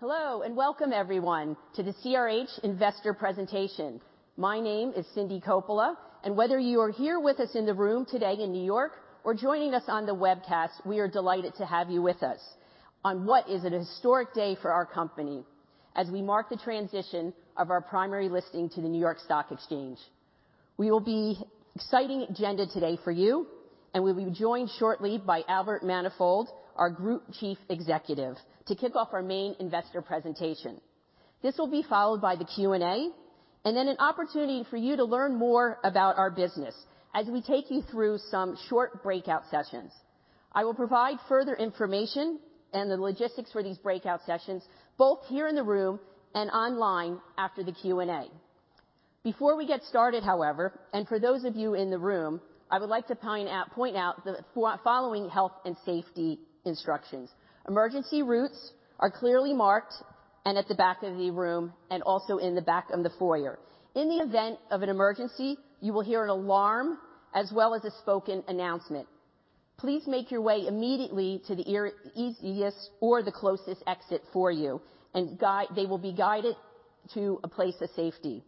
Hello, and welcome everyone to the CRH Investor Presentation. My name is Cindy Coppola, and whether you are here with us in the room today in New York or joining us on the webcast, we are delighted to have you with us on what is an historic day for our company, as we mark the transition of our primary listing to the New York Stock Exchange. We will be... exciting agenda today for you, and we'll be joined shortly by Albert Manifold, our Group Chief Executive, to kick off our main investor presentation. This will be followed by the Q&A, and then an opportunity for you to learn more about our business as we take you through some short breakout sessions. I will provide further information and the logistics for these breakout sessions, both here in the room and online after the Q&A. Before we get started, however, and for those of you in the room, I would like to point out the following health and safety instructions. Emergency routes are clearly marked and at the back of the room and also in the back of the foyer. In the event of an emergency, you will hear an alarm as well as a spoken announcement. Please make your way immediately to the easiest or the closest exit for you and they will be guided to a place of safety.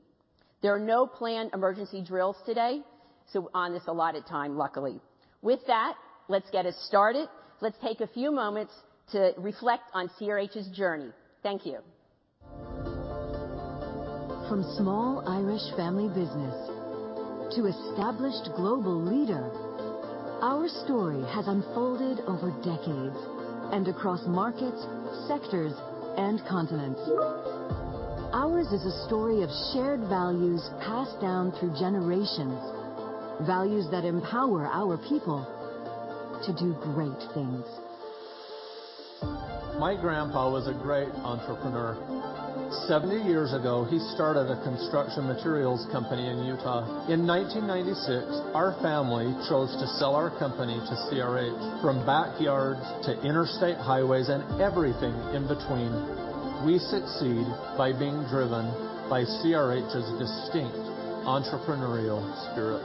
There are no planned emergency drills today, so on this allotted time, luckily. With that, let's get us started. Let's take a few moments to reflect on CRH's journey. Thank you. From small Irish family business to established global leader, our story has unfolded over decades and across markets, sectors, and continents. Ours is a story of shared values passed down through generations, values that empower our people to do great things. My grandpa was a great entrepreneur. 70 years ago, he started a construction materials company in Utah. In 1996, our family chose to sell our company to CRH. From backyards to interstate highways and everything in between, we succeed by being driven by CRH's distinct entrepreneurial spirit.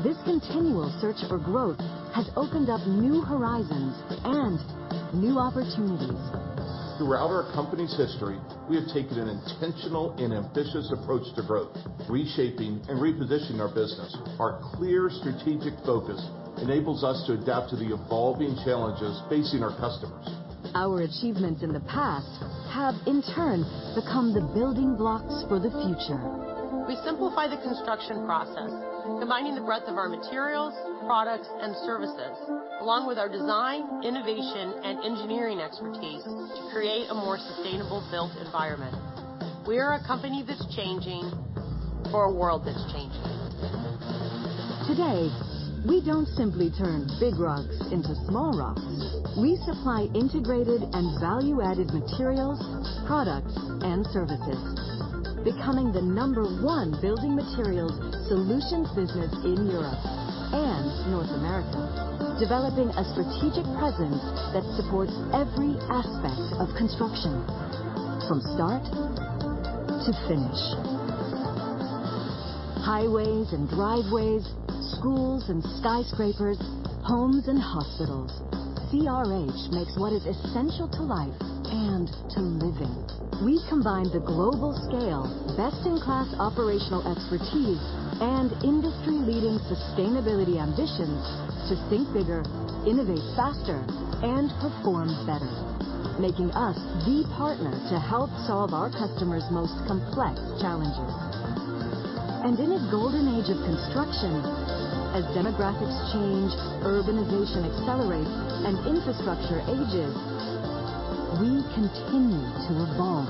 This continual search for growth has opened up new horizons and new opportunities. Throughout our company's history, we have taken an intentional and ambitious approach to growth, reshaping and repositioning our business. Our clear strategic focus enables us to adapt to the evolving challenges facing our customers. Our achievements in the past have, in turn, become the building blocks for the future. We simplify the construction process, combining the breadth of our materials, products, and services, along with our design, innovation, and engineering expertise to create a more sustainable built environment. We are a company that's changing for a world that's changing. Today, we don't simply turn big rocks into small rocks. We supply integrated and value-added materials, products, and services, becoming the number one building materials solutions business in Europe and North America. Developing a strategic presence that supports every aspect of construction from start to finish. Highways and driveways, schools and skyscrapers, homes and hospitals. CRH makes what is essential to life and to living. We combine the global scale, best-in-class operational expertise, and industry-leading sustainability ambitions to think bigger, innovate faster, and perform better, making us the partner to help solve our customers' most complex challenges. And in a golden age of construction, as demographics change, urbanization accelerates, and infrastructure ages, we continue to evolve.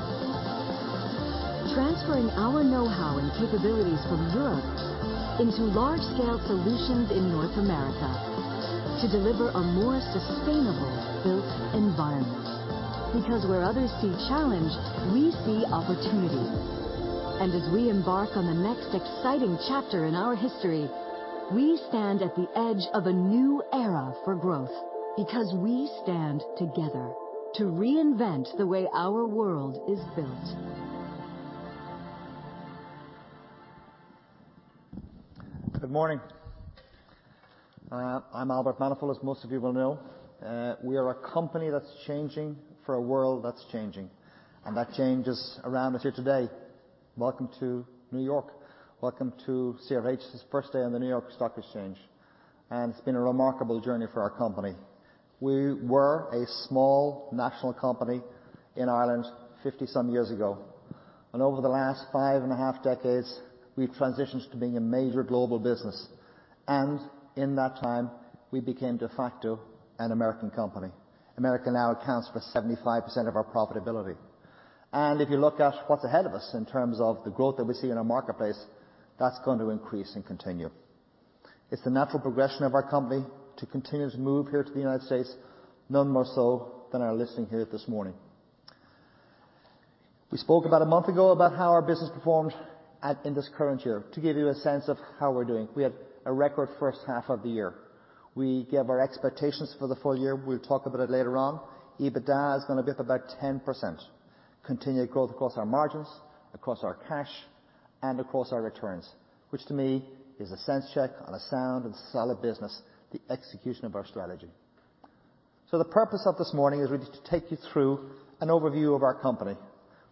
Transferring our know-how and capabilities from Europe into large-scale solutions in North America to deliver a more sustainable built environment. Because where others see challenge, we see opportunity. As we embark on the next exciting chapter in our history, we stand at the edge of a new era for growth, because we stand together to reinvent the way our world is built. Good morning. I'm Albert Manifold, as most of you will know. We are a company that's changing for a world that's changing, and that change is around us here today. Welcome to New York. Welcome to CRH's first day on the New York Stock Exchange, and it's been a remarkable journey for our company. We were a small national company in Ireland 50-some years ago, and over the last 5.5 decades, we've transitioned to being a major global business, and in that time, we became, de facto, an American company. America now accounts for 75% of our profitability. And if you look at what's ahead of us in terms of the growth that we see in our marketplace, that's going to increase and continue. It's the natural progression of our company to continue to move here to the United States, none more so than our listing here this morning. We spoke about a month ago about how our business performed in this current year. To give you a sense of how we're doing, we had a record first half of the year. We gave our expectations for the full year. We'll talk about it later on. EBITDA is gonna be up about 10%.... continued growth across our margins, across our cash, and across our returns, which to me is a sense check on a sound and solid business, the execution of our strategy. The purpose of this morning is we're going to take you through an overview of our company.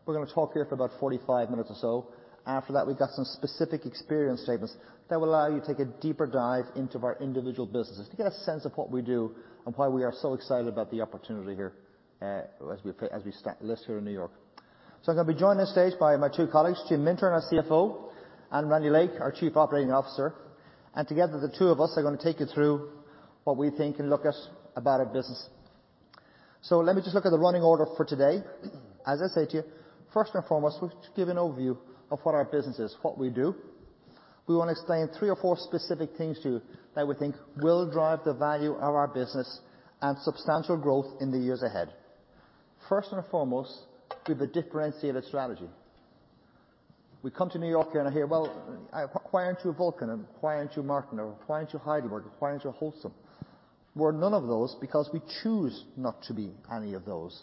We're gonna talk here for about 45 minutes or so. After that, we've got some specific experience statements that will allow you to take a deeper dive into our individual businesses, to get a sense of what we do and why we are so excited about the opportunity here, as we start listing here in New York. So I'm gonna be joined on stage by my two colleagues, Jim Mintern, our CFO, and Randy Lake, our Chief Operating Officer. Together, the two of us are gonna take you through what we think and look at about our business. So let me just look at the running order for today. As I said to you, first and foremost, we'll give an overview of what our business is, what we do. We want to explain three or four specific things to you that we think will drive the value of our business and substantial growth in the years ahead. First and foremost, we have a differentiated strategy. We come to New York, and I hear, "Well, why aren't you a Vulcan? And why aren't you Martin? Or why aren't you Heidelberg? Why aren't you Holcim?" We're none of those, because we choose not to be any of those.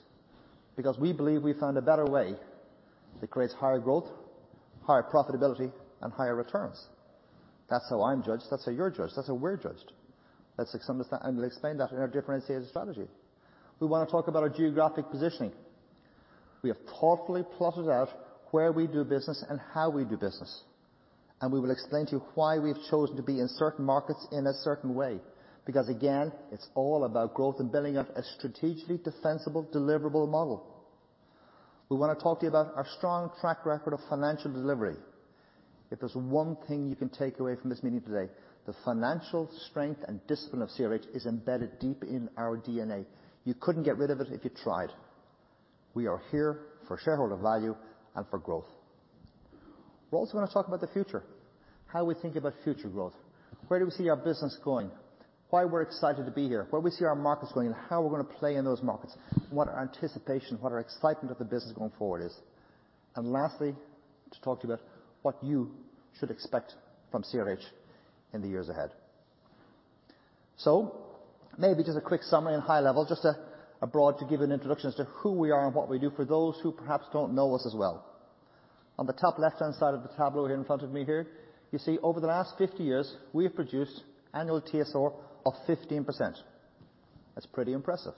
Because we believe we found a better way that creates higher growth, higher profitability, and higher returns. That's how I'm judged, that's how you're judged, that's how we're judged. Let's understand, I'm going to explain that in our differentiated strategy. We wanna talk about our geographic positioning. We have thoughtfully plotted out where we do business and how we do business, and we will explain to you why we've chosen to be in certain markets in a certain way. Because, again, it's all about growth and building up a strategically defensible, deliverable model. We want to talk to you about our strong track record of financial delivery. If there's one thing you can take away from this meeting today, the financial strength and discipline of CRH is embedded deep in our DNA. You couldn't get rid of it if you tried. We are here for shareholder value and for growth. We're also gonna talk about the future, how we think about future growth. Where do we see our business going? Why we're excited to be here, where we see our markets going, and how we're gonna play in those markets? What our anticipation, what our excitement of the business going forward is. And lastly, to talk to you about what you should expect from CRH in the years ahead. So maybe just a quick summary and high level, just, broad to give an introduction as to who we are and what we do for those who perhaps don't know us as well. On the top left-hand side of the tableau here in front of me here, you see over the last 50 years, we have produced annual TSR of 15%. That's pretty impressive.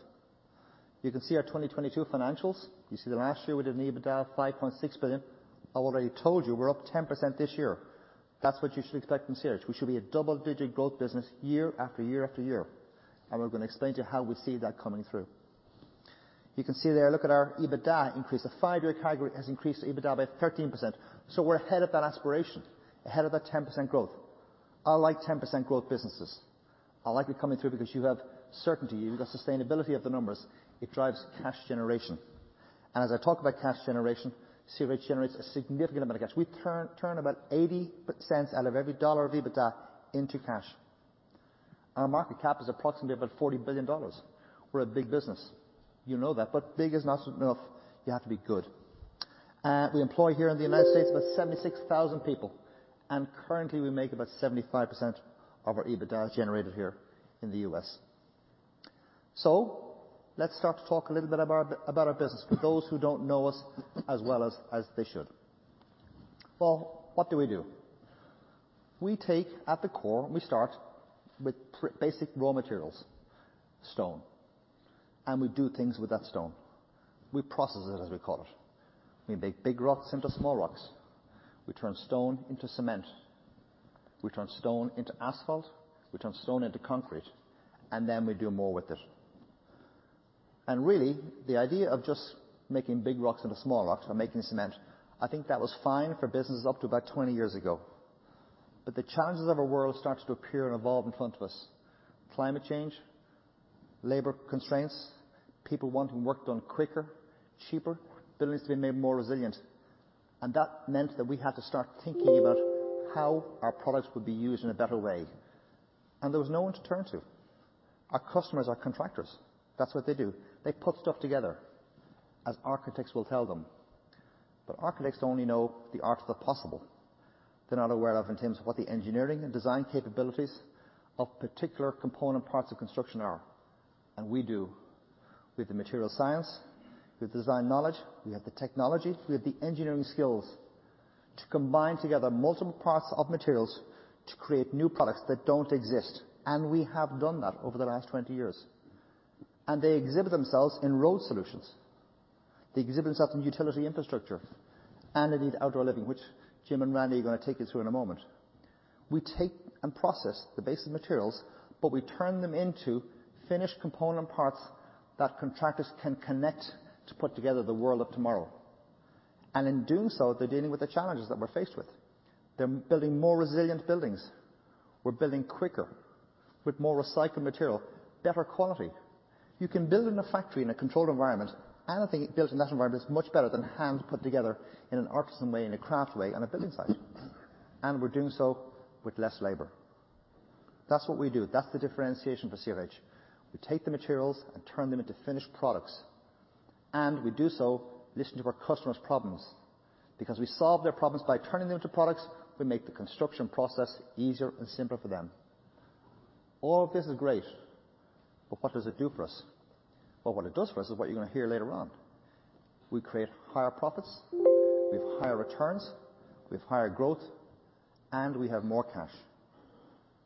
You can see our 2022 financials. You see that last year we did an EBITDA of $5.6 billion. I already told you we're up 10% this year. That's what you should expect from CRH. We should be a double-digit growth business year, after year, after year. And we're gonna explain to you how we see that coming through. You can see there, look at our EBITDA increase. The five-year category has increased EBITDA by 13%, so we're ahead of that aspiration, ahead of that 10% growth. I like 10% growth businesses. I like it coming through because you have certainty, you've got sustainability of the numbers. It drives cash generation. And as I talk about cash generation, CRH generates a significant amount of cash. We turn about $0.80 out of every dollar of EBITDA into cash. Our market cap is approximately about $40 billion. We're a big business. You know that, but big is not enough. You have to be good. We employ here in the United States about 76,000 people, and currently, we make about 75% of our EBITDA is generated here in the U.S. So let's start to talk a little bit about, about our business, for those who don't know us as well as, as they should. Well, what do we do? We take... At the core, we start with basic raw materials, stone, and we do things with that stone. We process it, as we call it. We make big rocks into small rocks. We turn stone into cement. We turn stone into asphalt, we turn stone into concrete, and then we do more with it. And really, the idea of just making big rocks into small rocks or making cement, I think that was fine for businesses up to about 20 years ago. But the challenges of our world starts to appear and evolve in front of us. Climate change, labor constraints, people wanting work done quicker, cheaper, buildings to be made more resilient. And that meant that we had to start thinking about how our products would be used in a better way. And there was no one to turn to. Our customers are contractors. That's what they do. They put stuff together, as architects will tell them. But architects only know the art of the possible. They're not aware of in terms of what the engineering and design capabilities of particular component parts of construction are, and we do. We have the material science, we have design knowledge, we have the technology, we have the engineering skills to combine together multiple parts of materials to create new products that don't exist. And we have done that over the last 20 years. They exhibit themselves in Road Solutions. They exhibit themselves in utility infrastructure and indeed, outdoor living, which Jim and Randy are gonna take you through in a moment. We take and process the basic materials, but we turn them into finished component parts that contractors can connect to put together the world of tomorrow. In doing so, they're dealing with the challenges that we're faced with. They're building more resilient buildings. We're building quicker, with more recycled material, better quality. You can build in a factory in a controlled environment, and I think built in that environment is much better than hands put together in an artisan way, in a craft way, on a building site. We're doing so with less labor. That's what we do. That's the differentiation for CRH. We take the materials and turn them into finished products, and we do so listening to our customers' problems, because we solve their problems by turning them into products. We make the construction process easier and simpler for them. All of this is great, but what does it do for us? Well, what it does for us is what you're going to hear later on. We create higher profits, we have higher returns, we have higher growth, and we have more cash.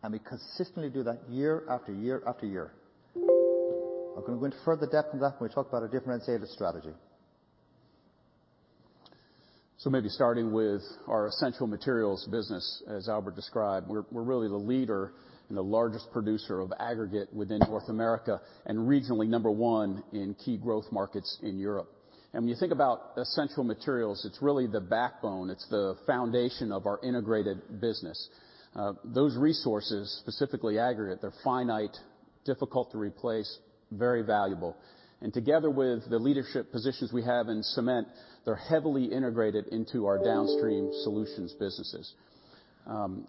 And we consistently do that year after year after year. I'm going to go into further depth on that when we talk about a differentiated strategy. So maybe starting with our essential materials business, as Albert described, we're really the leader and the largest producer of aggregate within North America, and regionally number one in key growth markets in Europe. When you think about essential materials, it's really the backbone, it's the foundation of our integrated business. Those resources, specifically aggregate, they're finite, difficult to replace, very valuable. And together with the leadership positions we have in cement, they're heavily integrated into our downstream solutions businesses.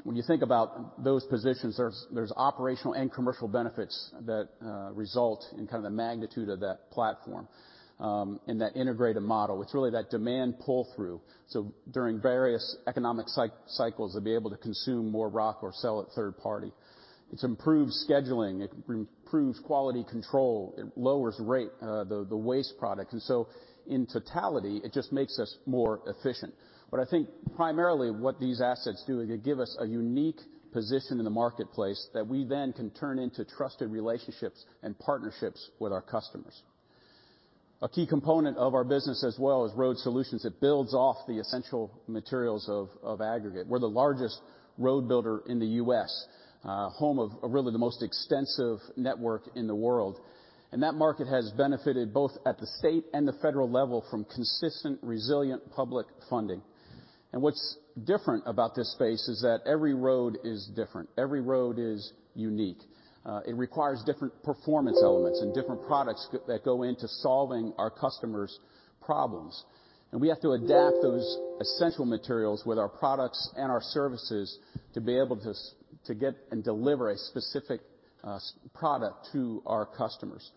When you think about those positions, there's operational and commercial benefits that result in kind of the magnitude of that platform. And that integrated model, it's really that demand pull-through. So during various economic cycles, to be able to consume more rock or sell it third party. It improves scheduling, it improves quality control, it lowers rate, the waste product. And so in totality, it just makes us more efficient. But I think primarily what these assets do, is they give us a unique position in the marketplace that we then can turn into trusted relationships and partnerships with our customers. A key component of our business as well is road solutions. It builds off the essential materials of aggregate. We're the largest road builder in the U.S., home of really the most extensive network in the world. And that market has benefited both at the state and the federal level from consistent, resilient public funding. And what's different about this space is that every road is different. Every road is unique. It requires different performance elements, and different products that go into solving our customers' problems. We have to adapt those essential materials with our products and our services to be able to to get and deliver a specific product to our customers.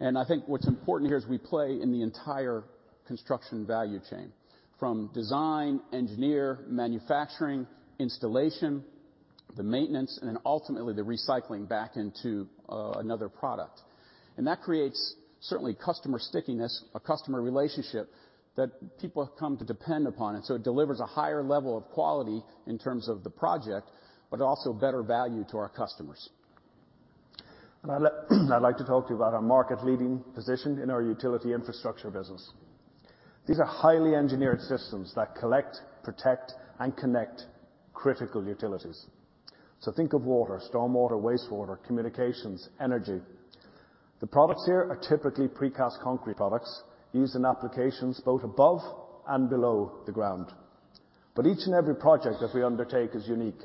I think what's important here is we play in the entire construction value chain, from design, engineer, manufacturing, installation, the maintenance, and then ultimately the recycling back into another product. That creates certainly customer stickiness, a customer relationship that people have come to depend upon. So it delivers a higher level of quality in terms of the project, but also better value to our customers. I'd like, I'd like to talk to you about our market-leading position in our utility infrastructure business. These are highly engineered systems that collect, protect, and connect critical utilities. So think of water, storm water, wastewater, communications, energy. The products here are typically precast concrete products used in applications both above and below the ground. Each and every project that we undertake is unique.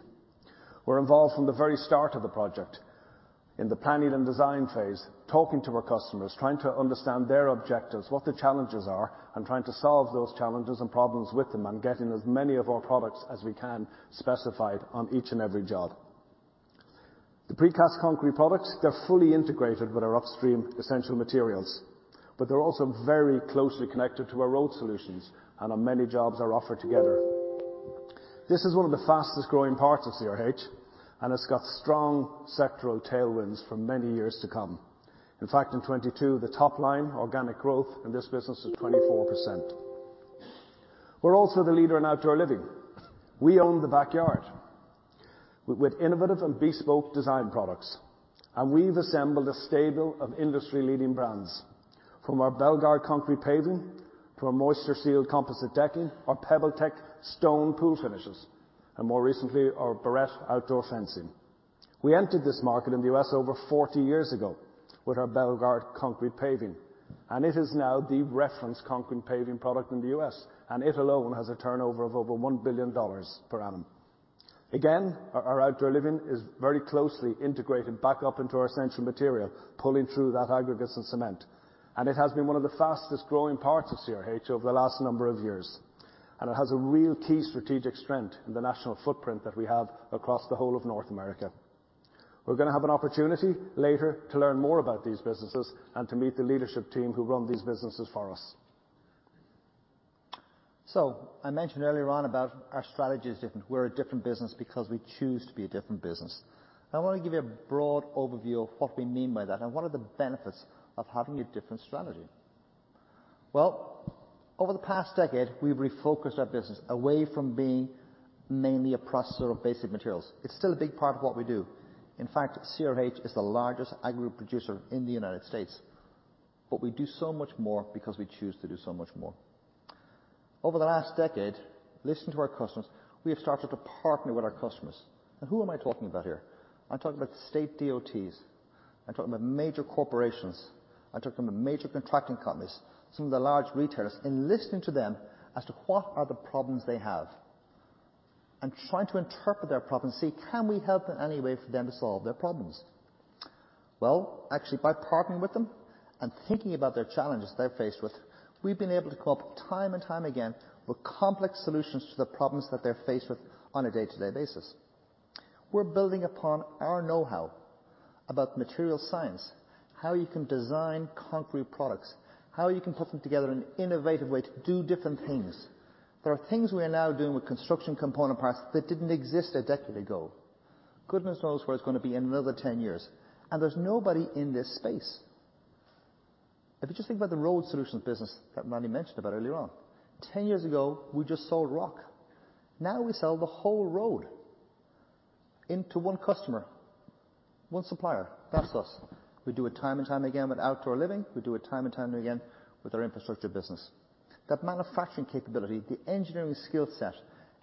We're involved from the very start of the project, in the planning and design phase, talking to our customers, trying to understand their objectives, what the challenges are, and trying to solve those challenges and problems with them, and getting as many of our products as we can specified on each and every job. The precast concrete products, they're fully integrated with our upstream essential materials, but they're also very closely connected to our road solutions, and on many jobs are offered together. This is one of the fastest growing parts of CRH, and it's got strong sectoral tailwinds for many years to come. In fact, in 2022, the top line, organic growth in this business was 24%. We're also the leader in outdoor living. We own the backyard with innovative and bespoke design products, and we've assembled a stable of industry-leading brands. From our Belgard concrete paving, to our MoistureShield composite decking, our PebbleTec stone pool finishes, and more recently, our Barrette outdoor fencing. We entered this market in the U.S. over 40 years ago with our Belgard concrete paving, and it is now the reference concrete paving product in the U.S. And it alone has a turnover of over $1 billion per annum. Again, our, our outdoor living is very closely integrated back up into our essential material, pulling through that aggregates and cement. It has been one of the fastest growing parts of CRH over the last number of years. It has a real key strategic strength in the national footprint that we have across the whole of North America. We're going to have an opportunity later to learn more about these businesses and to meet the leadership team who run these businesses for us. So, I mentioned earlier on about our strategy is different. We're a different business because we choose to be a different business. I want to give you a broad overview of what we mean by that and what are the benefits of having a different strategy. Well, over the past decade, we've refocused our business away from being mainly a processor of basic materials. It's still a big part of what we do. In fact, CRH is the largest aggregate producer in the United States, but we do so much more because we choose to do so much more. Over the last decade, listening to our customers, we have started to partner with our customers. Who am I talking about here? I'm talking about state DOTs. I'm talking about major corporations. I'm talking about major contracting companies, some of the large retailers, and listening to them as to what are the problems they have, and trying to interpret their problems, see, can we help in any way for them to solve their problems? Well, actually, by partnering with them and thinking about their challenges they're faced with, we've been able to come up time and time again with complex solutions to the problems that they're faced with on a day-to-day basis. We're building upon our know-how about material science, how you can design concrete products, how you can put them together in an innovative way to do different things.... There are things we are now doing with construction component parts that didn't exist a decade ago. Goodness knows where it's going to be in another 10 years, and there's nobody in this space. If you just think about the road solutions business that Manny mentioned about earlier on, 10 years ago, we just sold rock. Now we sell the whole road into one customer, one supplier. That's us. We do it time and time again with outdoor living. We do it time and time again with our infrastructure business. That manufacturing capability, the engineering skill set,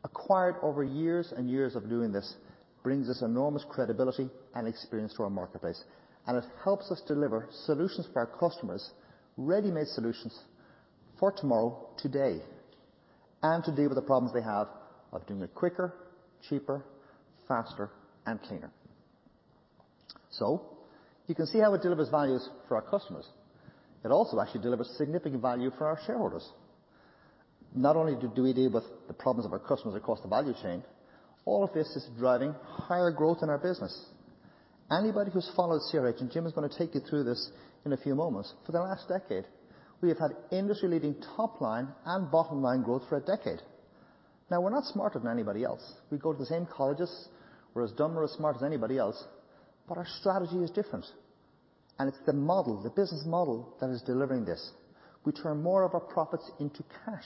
acquired over years and years of doing this, brings us enormous credibility and experience to our marketplace, and it helps us deliver solutions for our customers, ready-made solutions for tomorrow, today, and to deal with the problems they have of doing it quicker, cheaper, faster, and cleaner. So you can see how it delivers values for our customers. It also actually delivers significant value for our shareholders. Not only do we deal with the problems of our customers across the value chain, all of this is driving higher growth in our business. Anybody who's followed CRH, and Jim is going to take you through this in a few moments, for the last decade, we have had industry-leading top line and bottom line growth for a decade. Now, we're not smarter than anybody else. We go to the same colleges. We're as dumb or as smart as anybody else, but our strategy is different, and it's the model, the business model that is delivering this. We turn more of our profits into cash.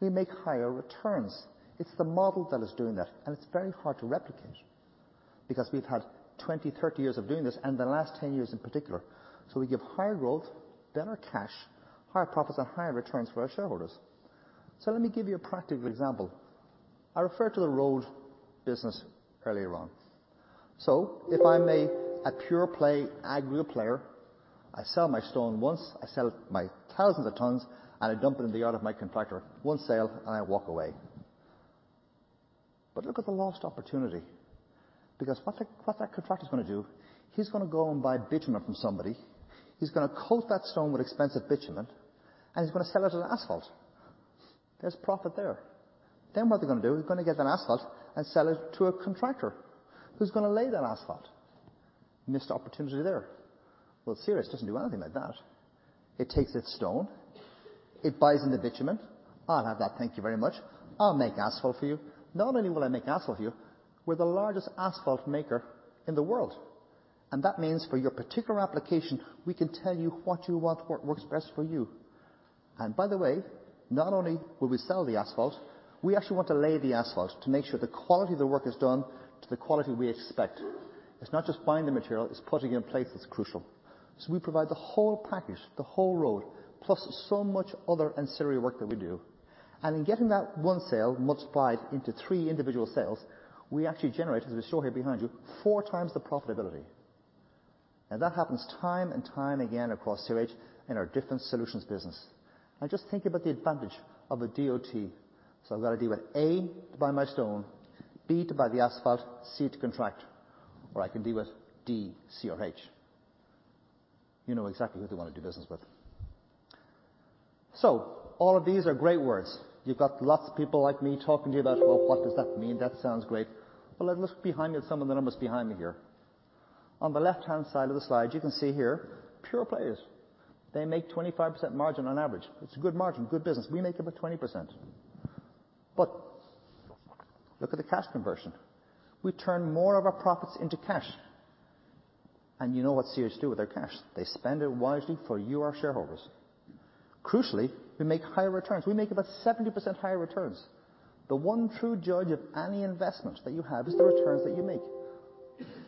We make higher returns. It's the model that is doing that, and it's very hard to replicate because we've had 20, 30 years of doing this, and the last 10 years in particular. So we give higher growth, better cash, higher profits, and higher returns for our shareholders. So let me give you a practical example. I referred to the road business earlier on. So if I'm a pure play agg player, I sell my stone once, I sell my thousands of tons, and I dump it in the yard of my contractor. One sale, and I walk away. But look at the lost opportunity, because what's that, what's that contractor going to do? He's going to go and buy bitumen from somebody. He's going to coat that stone with expensive bitumen, and he's going to sell it as asphalt. There's profit there. Then, what they're going to do, he's going to get that asphalt and sell it to a contractor who's going to lay that asphalt. Missed opportunity there. Well, CRH doesn't do anything like that. It takes its stone, it buys in the bitumen. I'll have that, thank you very much. I'll make asphalt for you. Not only will I make asphalt for you, we're the largest asphalt maker in the world, and that means for your particular application, we can tell you what you want, what works best for you. And by the way, not only will we sell the asphalt, we actually want to lay the asphalt to make sure the quality of the work is done to the quality we expect. It's not just buying the material, it's putting it in place that's crucial. So we provide the whole package, the whole road, plus so much other ancillary work that we do. And in getting that one sale multiplied into three individual sales, we actually generate, as we show here behind you, 4x the profitability. Now, that happens time and time again across CRH in our different solutions business. Now just think about the advantage of a DOT. So I've got to deal with A, to buy my stone, B, to buy the asphalt, C, to contract, or I can deal with D, CRH. You know exactly who they want to do business with. So all of these are great words. You've got lots of people like me talking to you about, "Well, what does that mean? That sounds great." Well, let's look behind me at some of the numbers behind me here. On the left-hand side of the slide, you can see here, pure players, they make 25% margin on average. It's a good margin, good business. We make about 20%. But look at the cash conversion. We turn more of our profits into cash. You know what CRH does with their cash? They spend it wisely for you, our shareholders. Crucially, we make higher returns. We make about 70% higher returns. The one true judge of any investment that you have is the returns that you make.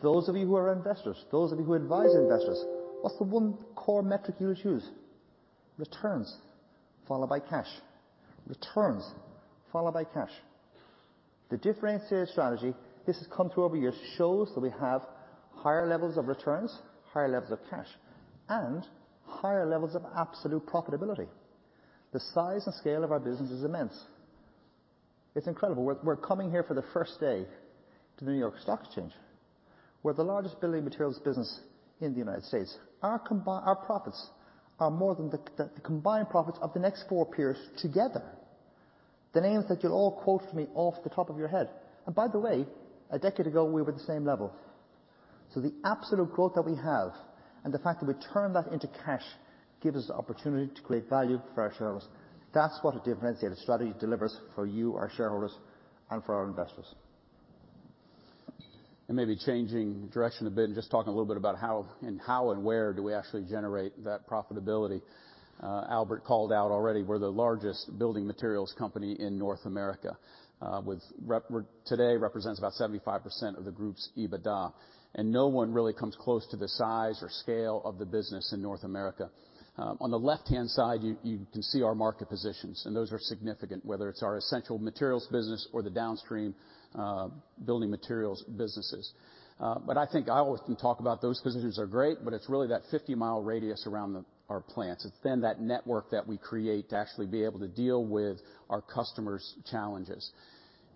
Those of you who are investors, those of you who advise investors, what's the one core metric you would use? Returns, followed by cash. Returns, followed by cash. The differentiated strategy, this has come through over years, shows that we have higher levels of returns, higher levels of cash, and higher levels of absolute profitability. The size and scale of our business is immense. It's incredible. We're coming here for the first day to the New York Stock Exchange. We're the largest building materials business in the United States. Our profits are more than the combined profits of the next four peers together. The names that you'll all quote for me off the top of your head. By the way, a decade ago, we were at the same level. The absolute growth that we have and the fact that we turn that into cash gives us the opportunity to create value for our shareholders. That's what a differentiated strategy delivers for you, our shareholders, and for our investors. Maybe changing direction a bit and just talking a little bit about how and where do we actually generate that profitability. Albert called out already we're the largest building materials company in North America. Today represents about 75% of the group's EBITDA, and no one really comes close to the size or scale of the business in North America. On the left-hand side, you can see our market positions, and those are significant, whether it's our essential materials business or the downstream building materials businesses. But I think I always can talk about those businesses are great, but it's really that 50-mile radius around our plants. It's then that network that we create to actually be able to deal with our customers' challenges.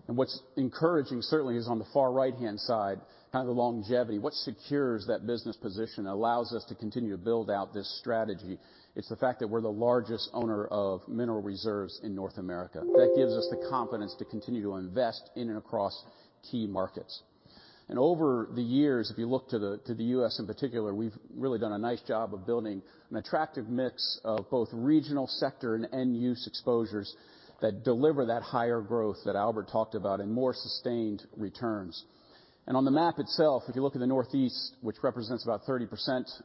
What's encouraging, certainly, is on the far right-hand side, kind of the longevity. What secures that business position allows us to continue to build out this strategy. It's the fact that we're the largest owner of mineral reserves in North America. That gives us the confidence to continue to invest in and across key markets.... Over the years, if you look to the, to the U.S. in particular, we've really done a nice job of building an attractive mix of both regional sector and end-use exposures that deliver that higher growth that Albert talked about, and more sustained returns. On the map itself, if you look at the Northeast, which represents about 30%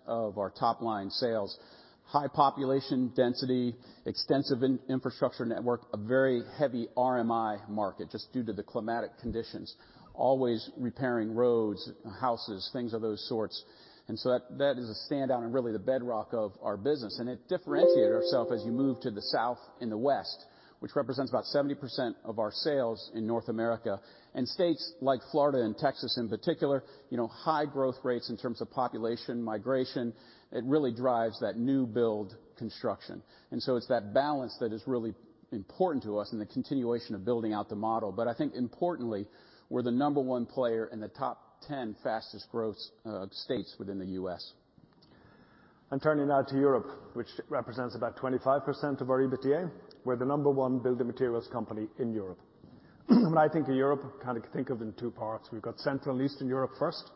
of our top line sales, high population density, extensive infrastructure network, a very heavy RMI market, just due to the climatic conditions. Always repairing roads, houses, things of those sorts. And so that, that is a standout and really the bedrock of our business, and it differentiated ourselves as you move to the south and the west, which represents about 70% of our sales in North America. And states like Florida and Texas in particular, you know, high growth rates in terms of population migration, it really drives that new build construction. And so it's that balance that is really important to us in the continuation of building out the model. But I think importantly, we're the number one player in the top 10 fastest growth states within the US. Turning now to Europe, which represents about 25% of our EBITDA. We're the number one building materials company in Europe. When I think of Europe, kind of think of in two parts. We've got Central and Eastern Europe first,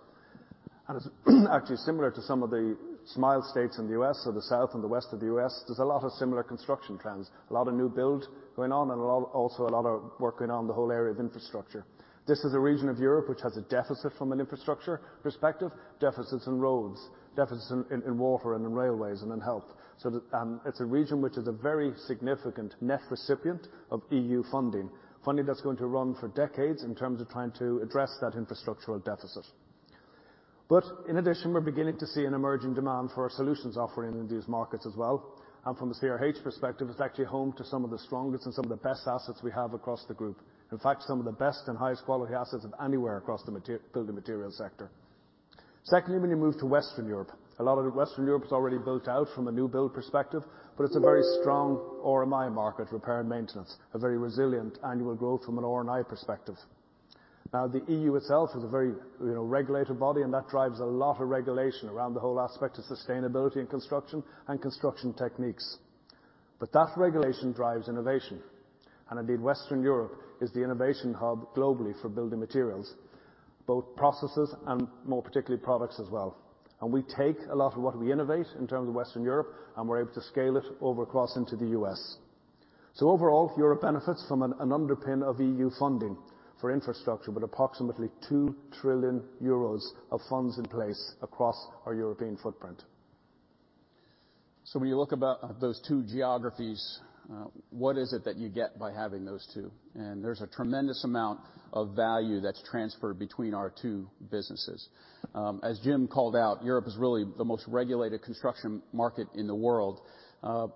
and it's actually similar to some of the Sunbelt states in the U.S., or the South and the West of the U.S., there's a lot of similar construction trends. A lot of new build going on, and a lot of work going on in the whole area of infrastructure. This is a region of Europe, which has a deficit from an infrastructure perspective. Deficits in roads, deficits in water, and in railways, and in health. So it's a region which is a very significant net recipient of EU funding. Funding that's going to run for decades in terms of trying to address that infrastructural deficit. But in addition, we're beginning to see an emerging demand for our solutions offering in these markets as well. From the CRH perspective, it's actually home to some of the strongest and some of the best assets we have across the group. In fact, some of the best and highest quality assets of anywhere across the building materials sector. Secondly, when you move to Western Europe, a lot of the Western Europe is already built out from a new build perspective, but it's a very strong RMI market, repair and maintenance, a very resilient annual growth from an RMI perspective. Now, the EU itself is a very, you know, regulated body, and that drives a lot of regulation around the whole aspect of sustainability and construction, and construction techniques. That regulation drives innovation, and indeed, Western Europe is the innovation hub globally for building materials, both processes and more particularly, products as well. We take a lot of what we innovate in terms of Western Europe, and we're able to scale it over across into the US. Overall, Europe benefits from an underpin of EU Funding for infrastructure, with approximately 2 trillion euros of funds in place across our European footprint. So when you look about those two geographies, what is it that you get by having those two? And there's a tremendous amount of value that's transferred between our two businesses. As Jim called out, Europe is really the most regulated construction market in the world.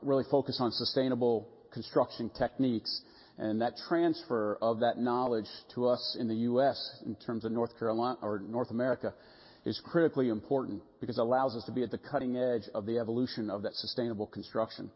Really focused on sustainable construction techniques, and that transfer of that knowledge to us in the U.S., in terms of North Carolina, or North America, is critically important because it allows us to be at the cutting edge of the evolution of that sustainable construction.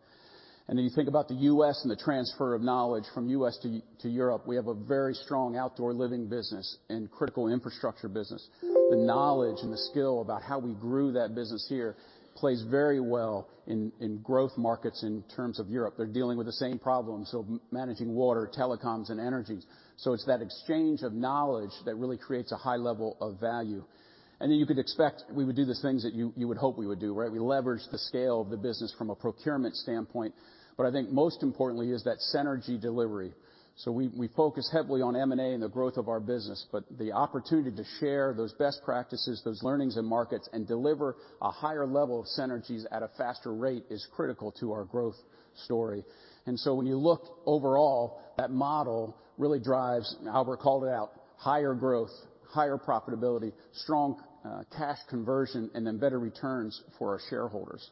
And then you think about the U.S. and the transfer of knowledge from U.S. to Europe, we have a very strong outdoor living business and critical infrastructure business. The knowledge and the skill about how we grew that business here plays very well in growth markets in terms of Europe. They're dealing with the same problems, so managing water, telecoms, and energies. So it's that exchange of knowledge that really creates a high level of value. And then you could expect we would do the things that you, you would hope we would do, right? We leverage the scale of the business from a procurement standpoint, but I think most importantly is that synergy delivery. So we, we focus heavily on M&A and the growth of our business, but the opportunity to share those best practices, those learnings and markets, and deliver a higher level of synergies at a faster rate, is critical to our growth story. And so when you look overall, that model really drives, Albert called it out, higher growth, higher profitability, strong, cash conversion, and then better returns for our shareholders.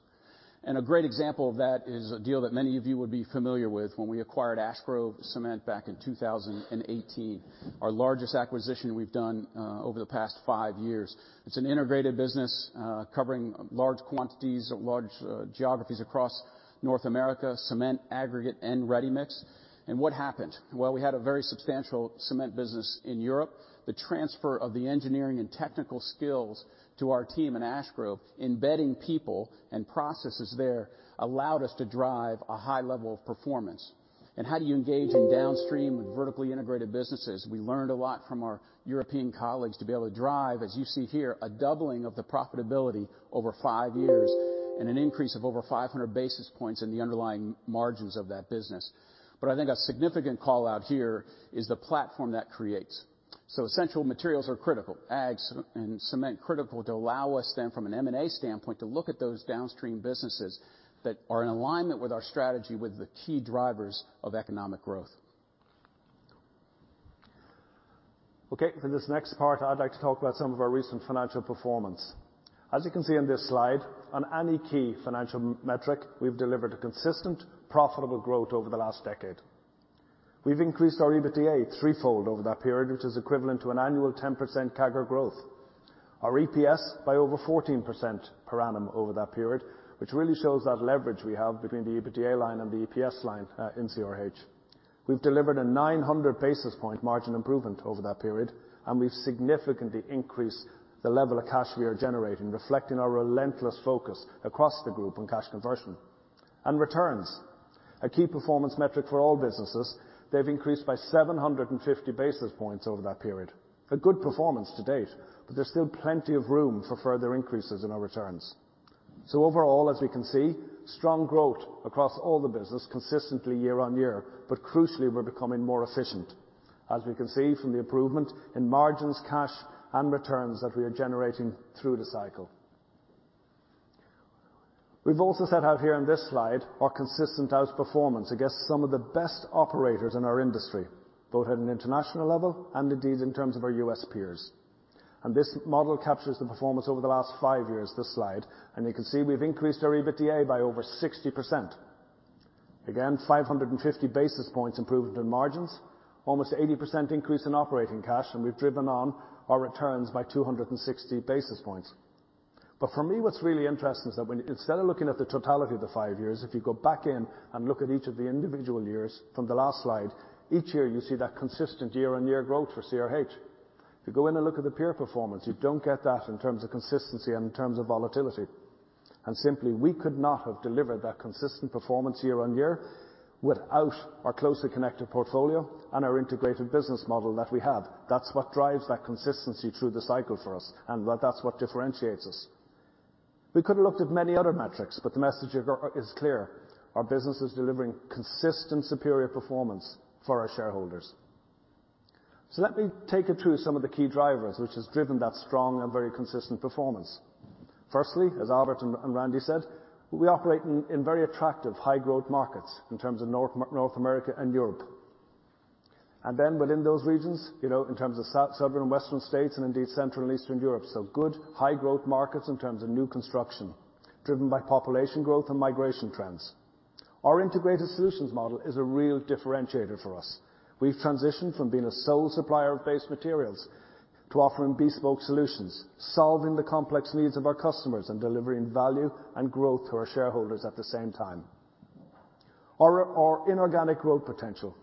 And a great example of that is a deal that many of you would be familiar with, when we acquired Ash Grove Cement back in 2018. Our largest acquisition we've done over the past five years. It's an integrated business, covering large quantities of large geographies across North America, cement, aggregate, and ready-mix. And what happened? Well, we had a very substantial cement business in Europe. The transfer of the engineering and technical skills to our team in Ash Grove, embedding people and processes there, allowed us to drive a high level of performance. And how do you engage in downstream with vertically integrated businesses? We learned a lot from our European colleagues to be able to drive, as you see here, a doubling of the profitability over five years, and an increase of over 500 basis points in the underlying margins of that business. But I think a significant call out here is the platform that creates. So essential materials are critical. Aggs and cement, critical to allow us then, from an M&A standpoint, to look at those downstream businesses that are in alignment with our strategy, with the key drivers of economic growth. Okay, for this next part, I'd like to talk about some of our recent financial performance. As you can see in this slide, on any key financial metric, we've delivered a consistent, profitable growth over the last decade. We've increased our EBITDA threefold over that period, which is equivalent to an annual 10% CAGR growth. Our EPS by over 14% per annum over that period, which really shows that leverage we have between the EBITDA line and the EPS line, in CRH. We've delivered a 900 basis point margin improvement over that period, and we've significantly increased the level of cash we are generating, reflecting our relentless focus across the group on cash conversion.... and returns, a key performance metric for all businesses, they've increased by 750 basis points over that period. A good performance to date, but there's still plenty of room for further increases in our returns. So overall, as we can see, strong growth across all the business consistently year-on-year, but crucially, we're becoming more efficient, as we can see from the improvement in margins, cash, and returns that we are generating through the cycle. We've also set out here on this slide, our consistent outperformance against some of the best operators in our industry, both at an international level and indeed, in terms of our U.S. peers. And this model captures the performance over the last five years, this slide, and you can see we've increased our EBITDA by over 60%. Again, 550 basis points improvement in margins, almost 80% increase in operating cash, and we've driven on our returns by 260 basis points. But for me, what's really interesting is that when instead of looking at the totality of the five years, if you go back in and look at each of the individual years from the last slide, each year, you see that consistent year-on-year growth for CRH. If you go in and look at the peer performance, you don't get that in terms of consistency and in terms of volatility. And simply, we could not have delivered that consistent performance year-on-year without our closely connected portfolio and our integrated business model that we have. That's what drives that consistency through the cycle for us, and that, that's what differentiates us. We could have looked at many other metrics, but the message of ours is clear. Our business is delivering consistent, superior performance for our shareholders. So let me take you through some of the key drivers, which has driven that strong and very consistent performance. Firstly, as Albert and Randy said, we operate in very attractive, high-growth markets in terms of North America and Europe. And then within those regions, you know, in terms of Southern and Western states and indeed, Central and Eastern Europe. So good, high-growth markets in terms of new construction, driven by population growth and migration trends. Our integrated solutions model is a real differentiator for us. We've transitioned from being a sole supplier of base materials to offering bespoke solutions, solving the complex needs of our customers and delivering value and growth to our shareholders at the same time. Our inorganic growth potential,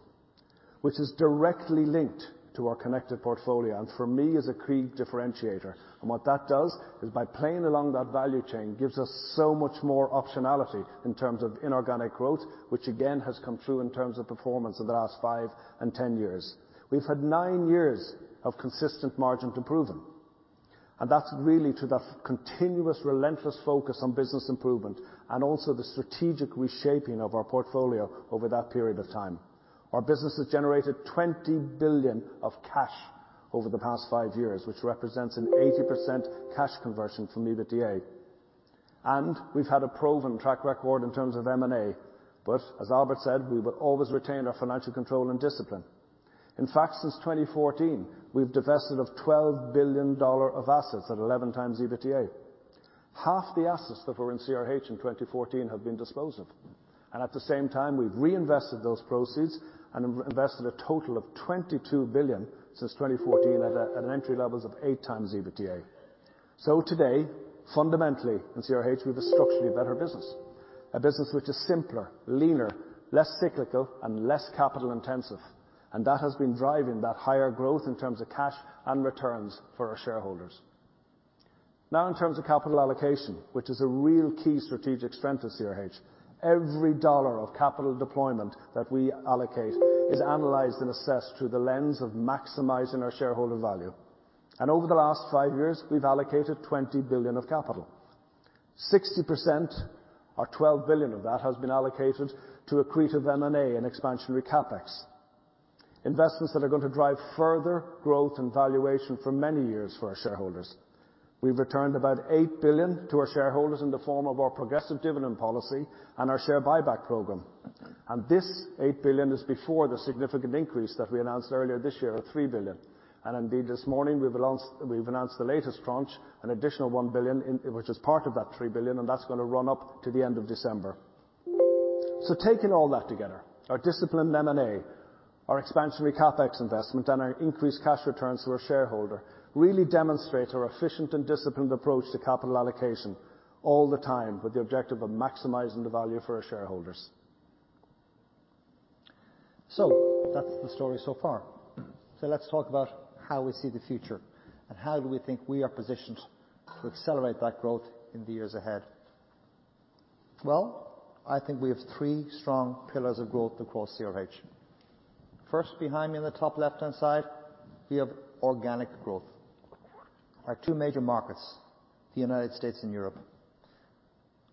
which is directly linked to our connected portfolio, and for me, is a key differentiator. What that does is by playing along that value chain, gives us so much more optionality in terms of inorganic growth, which again, has come through in terms of performance over the last five and 10 years. We've had 9 years of consistent margin improvement, and that's really to the continuous, relentless focus on business improvement and also the strategic reshaping of our portfolio over that period of time. Our business has generated $20 billion of cash over the past five years, which represents an 80% cash conversion from EBITDA. We've had a proven track record in terms of M&A, but as Albert said, we will always retain our financial control and discipline. In fact, since 2014, we've divested of $12 billion of assets at 11 times EBITDA. Half the assets that were in CRH in 2014 have been disposed of, and at the same time, we've reinvested those proceeds and reinvested a total of $22 billion since 2014 at an entry levels of 8x EBITDA. So today, fundamentally, in CRH, we have a structurally better business. A business which is simpler, leaner, less cyclical, and less capital intensive, and that has been driving that higher growth in terms of cash and returns for our shareholders. Now, in terms of capital allocation, which is a real key strategic strength of CRH, every dollar of capital deployment that we allocate is analyzed and assessed through the lens of maximizing our shareholder value. Over the last five years, we've allocated $20 billion of capital. 60% or $12 billion of that has been allocated to accretive M&A and expansionary CapEx. Investments that are going to drive further growth and valuation for many years for our shareholders. We've returned about $8 billion to our shareholders in the form of our progressive dividend policy and our share buyback program. And this $8 billion is before the significant increase that we announced earlier this year of $3 billion. And indeed, this morning, we've announced the latest tranche, an additional $1 billion in, which is part of that $3 billion, and that's gonna run up to the end of December. So taking all that together, our disciplined M&A, our expansionary CapEx investment, and our increased cash returns to our shareholder, really demonstrate our efficient and disciplined approach to capital allocation all the time with the objective of maximizing the value for our shareholders. So that's the story so far. So let's talk about how we see the future and how do we think we are positioned to accelerate that growth in the years ahead. Well, I think we have three strong pillars of growth across CRH. First, behind me in the top left-hand side, we have organic growth. Our two major markets, the United States and Europe.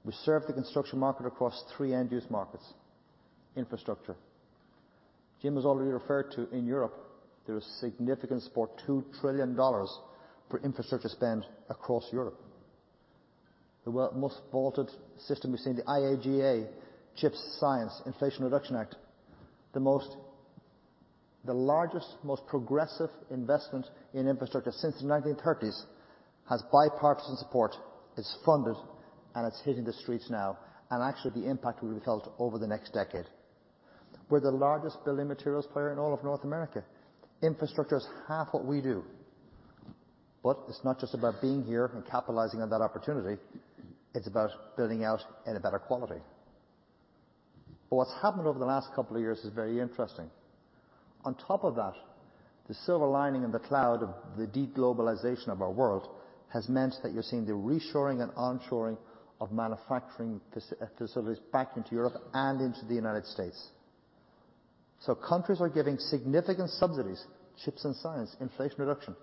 We serve the construction market across three end-use markets: infrastructure. Jim has already referred to in Europe, there is significant $2 trillion for infrastructure spend across Europe. The world's most vaunted system we've seen, the IIJA, CHIPS and Science Act, Inflation Reduction Act, the largest, most progressive investment in infrastructure since the 1930s, has bipartisan support, it's funded, and it's hitting the streets now. And actually, the impact will be felt over the next decade. We're the largest building materials player in all of North America. Infrastructure is half what we do. But it's not just about being here and capitalizing on that opportunity, it's about building out in a better quality. But what's happened over the last couple of years is very interesting. ...On top of that, the silver lining in the cloud of the de-globalization of our world has meant that you're seeing the reshoring and onshoring of manufacturing facilities back into Europe and into the United States. So countries are giving significant subsidies, CHIPS and Science, Inflation Reduction,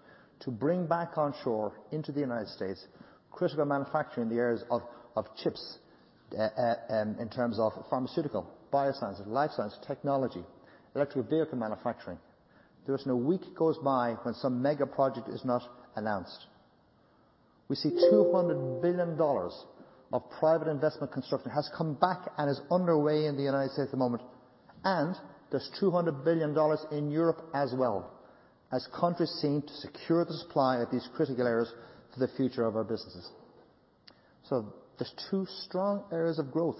to bring back onshore into the United States, critical manufacturing in the areas of, of chips, in terms of pharmaceutical, bioscience, life science, technology, electric vehicle manufacturing. There isn't a week goes by when some mega project is not announced. We see $200 billion of private investment construction has come back and is underway in the United States at the moment, and there's $200 billion in Europe as well, as countries seem to secure the supply of these critical areas for the future of our businesses. So there's two strong areas of growth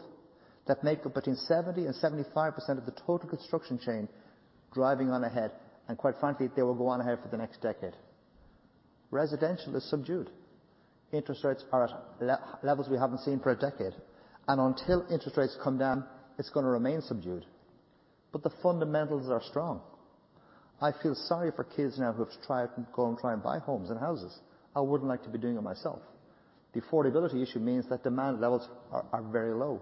that make up between 70% and 75% of the total construction chain driving on ahead, and quite frankly, they will go on ahead for the next decade. Residential is subdued. Interest rates are at levels we haven't seen for a decade, and until interest rates come down, it's gonna remain subdued. But the fundamentals are strong. I feel sorry for kids now who have to try out and go and try and buy homes and houses. I wouldn't like to be doing it myself. The affordability issue means that demand levels are very low.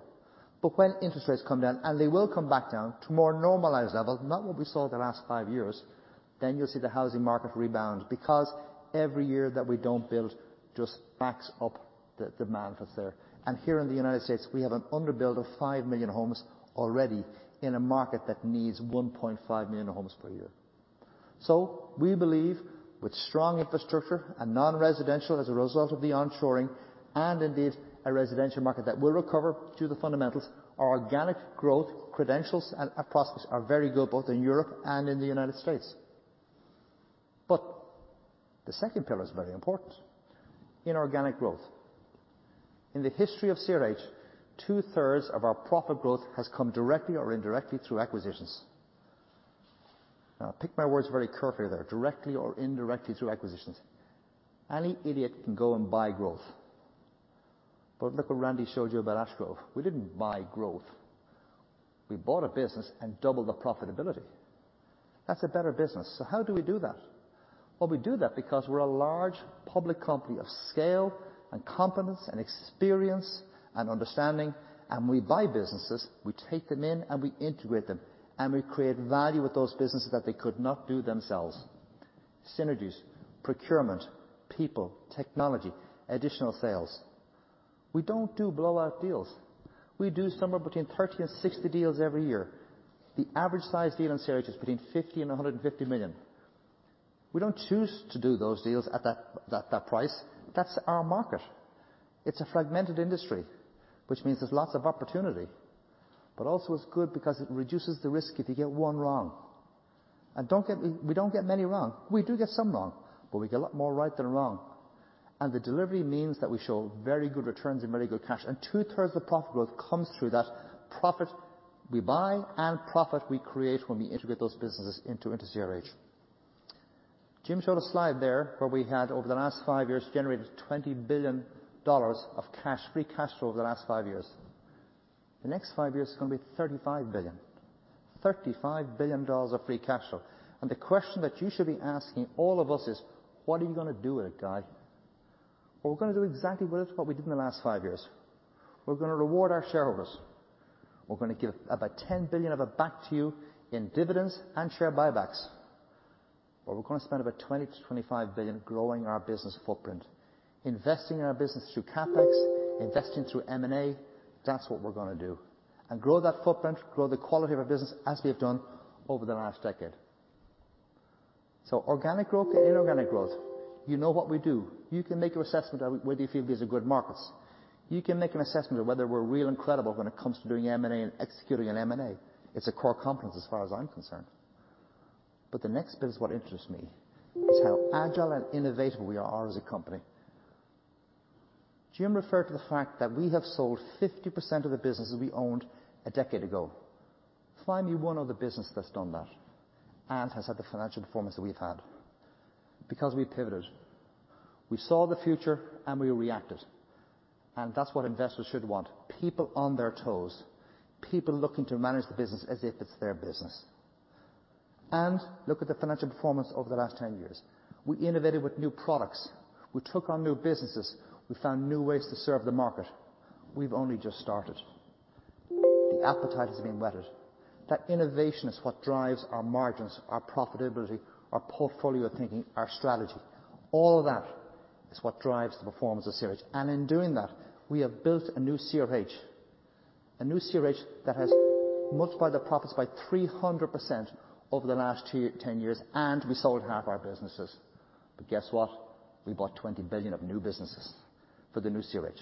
But when interest rates come down, and they will come back down to more normalized levels, not what we saw the last five years, then you'll see the housing market rebound. Because every year that we don't build just backs up the demand that's there. Here in the United States, we have an underbuild of 5 million homes already in a market that needs 1.5 million homes per year. So we believe, with strong infrastructure and non-residential as a result of the onshoring, and indeed, a residential market that will recover due to the fundamentals, our organic growth credentials and prospects are very good, both in Europe and in the United States. But the second pillar is very important. Inorganic growth. In the history of CRH, 2/3 of our profit growth has come directly or indirectly through acquisitions. Now, I pick my words very carefully there, directly or indirectly through acquisitions. Any idiot can go and buy growth. But look what Randy showed you about Ash Grove. We didn't buy growth. We bought a business and doubled the profitability. That's a better business. So how do we do that? Well, we do that because we're a large public company of scale and competence and experience and understanding, and we buy businesses, we take them in, and we integrate them, and we create value with those businesses that they could not do themselves. Synergies, procurement, people, technology, additional sales. We don't do blowout deals. We do somewhere between 30-60 deals every year. The average size deal in CRH is between $50 million-$150 million. We don't choose to do those deals at that, that, that price. That's our market. It's a fragmented industry, which means there's lots of opportunity, but also it's good because it reduces the risk if you get one wrong. And don't get me wrong, we don't get many wrong. We do get some wrong, but we get a lot more right than wrong. The delivery means that we show very good returns and very good cash. 2/3 of profit growth comes through that profit we buy and profit we create when we integrate those businesses into CRH. Jim showed a slide there where we had, over the last 5 years, generated $20 billion of cash, free cash flow over the last five years. The next five years is gonna be $35 billion. $35 billion of free cash flow. The question that you should be asking all of us is, "What are you gonna do with it, guy?" Well, we're gonna do exactly what we did in the last five years. We're gonna reward our shareholders. We're gonna give about $10 billion of it back to you in dividends and share buybacks. But we're gonna spend about $20 billion-$25 billion growing our business footprint, investing in our business through CapEx, investing through M&A. That's what we're gonna do. And grow that footprint, grow the quality of our business as we have done over the last decade. So organic growth and inorganic growth. You know what we do. You can make your assessment of whether you feel these are good markets. You can make an assessment of whether we're real and credible when it comes to doing M&A and executing an M&A. It's a core competence as far as I'm concerned. But the next bit is what interests me, is how agile and innovative we are, are as a company. Jim referred to the fact that we have sold 50% of the businesses we owned a decade ago. Find me one other business that's done that and has had the financial performance that we've had. Because we pivoted. We saw the future, and we reacted, and that's what investors should want. People on their toes, people looking to manage the business as if it's their business. And look at the financial performance over the last 10 years. We innovated with new products. We took on new businesses. We found new ways to serve the market. We've only just started. The appetite has been whetted. That innovation is what drives our margins, our profitability, our portfolio thinking, our strategy. All of that is what drives the performance of CRH. And in doing that, we have built a new CRH, a new CRH that has multiplied the profits by 300% over the last 10 years, and we sold 1/2 our businesses. But guess what? We bought $20 billion of new businesses for the new CRH.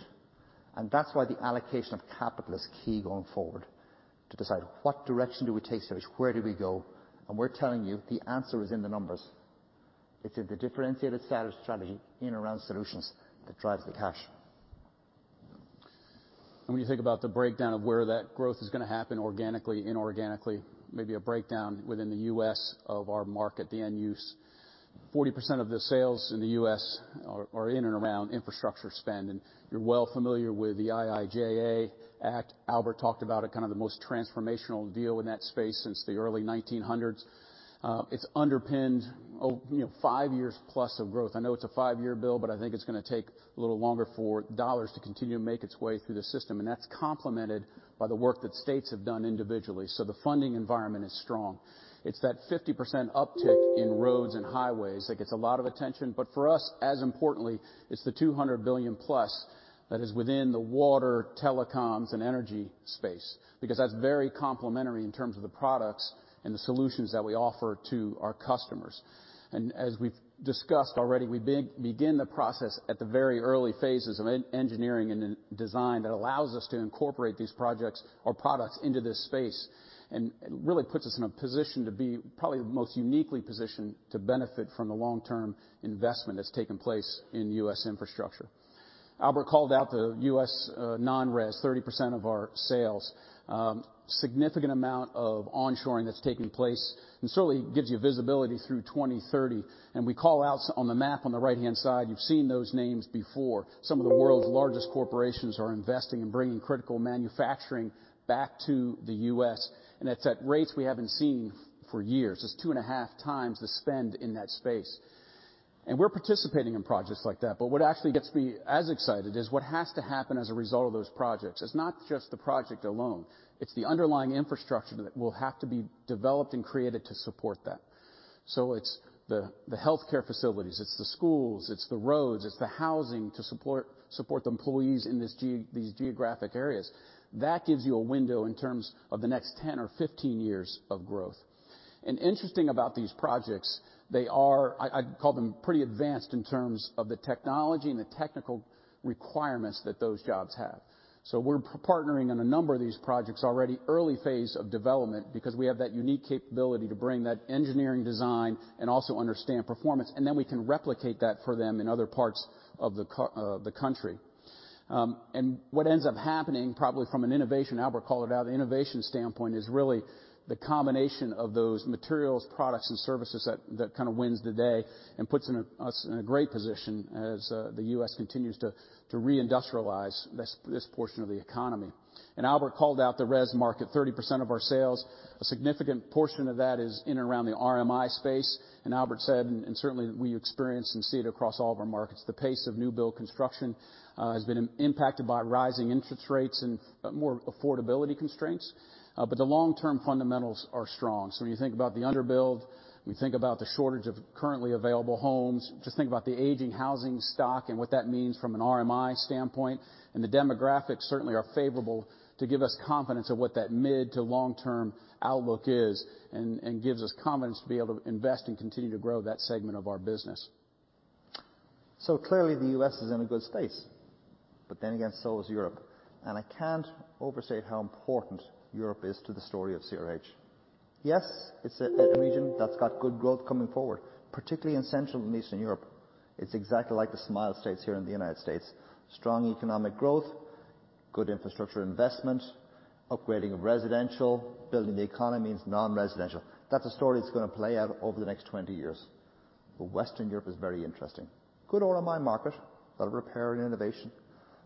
That's why the allocation of capital is key going forward, to decide what direction do we take CRH, where do we go? We're telling you, the answer is in the numbers. It's in the differentiated status strategy in around solutions that drives the cash. When you think about the breakdown of where that growth is gonna happen organically, inorganically, maybe a breakdown within the U.S. of our market, the end use?... 40% of the sales in the US are in and around infrastructure spend, and you're well familiar with the IIJA Act. Albert talked about it, kind of the most transformational deal in that space since the early 1900s. It's underpinned, you know, five years+ of growth. I know it's a five-year bill, but I think it's gonna take a little longer for dollars to continue to make its way through the system, and that's complemented by the work that states have done individually. So the funding environment is strong. It's that 50% uptick in roads and highways that gets a lot of attention, but for us, as importantly, it's the $200 billion+ that is within the water, telecoms, and energy space, because that's very complementary in terms of the products and the solutions that we offer to our customers. As we've discussed already, we begin the process at the very early phases of engineering and then design that allows us to incorporate these projects or products into this space. And it really puts us in a position to be probably the most uniquely positioned to benefit from the long-term investment that's taken place in U.S. infrastructure. Albert called out the U.S. non-res 30% of our sales. Significant amount of onshoring that's taking place, and certainly gives you visibility through 2030. And we call out, on the map on the right-hand side, you've seen those names before. Some of the world's largest corporations are investing and bringing critical manufacturing back to the U.S., and it's at rates we haven't seen for years. It's 2.5x the spend in that space. We're participating in projects like that, but what actually gets me as excited is what has to happen as a result of those projects. It's not just the project alone, it's the underlying infrastructure that will have to be developed and created to support that. So it's the healthcare facilities, it's the schools, it's the roads, it's the housing to support the employees in these geographic areas. That gives you a window in terms of the next 10 or 15 years of growth. Interesting about these projects, they are... I call them pretty advanced in terms of the technology and the technical requirements that those jobs have. So we're partnering on a number of these projects already, early phase of development, because we have that unique capability to bring that engineering design and also understand performance, and then we can replicate that for them in other parts of the country. What ends up happening, probably from an innovation, Albert called it out, innovation standpoint, is really the combination of those materials, products, and services that, that kind of wins the day and puts us in a great position as the U.S. continues to reindustrialize this portion of the economy. Albert called out the res market, 30% of our sales. A significant portion of that is in and around the RMI space. And Albert said, and certainly we experience and see it across all of our markets, the pace of new build construction has been impacted by rising interest rates and more affordability constraints, but the long-term fundamentals are strong. So when you think about the underbuild, we think about the shortage of currently available homes, just think about the aging housing stock and what that means from an RMI standpoint. And the demographics certainly are favorable to give us confidence of what that mid to long-term outlook is and gives us confidence to be able to invest and continue to grow that segment of our business. So clearly, the US is in a good space, but then again, so is Europe. And I can't overstate how important Europe is to the story of CRH. Yes, it's a region that's got good growth coming forward, particularly in Central and Eastern Europe. It's exactly like the Sunbelt States here in the United States: strong economic growth, good infrastructure investment, upgrading of residential, building the economy and non-residential. That's a story that's gonna play out over the next 20 years. But Western Europe is very interesting. Good RMI market, a lot of repair and innovation,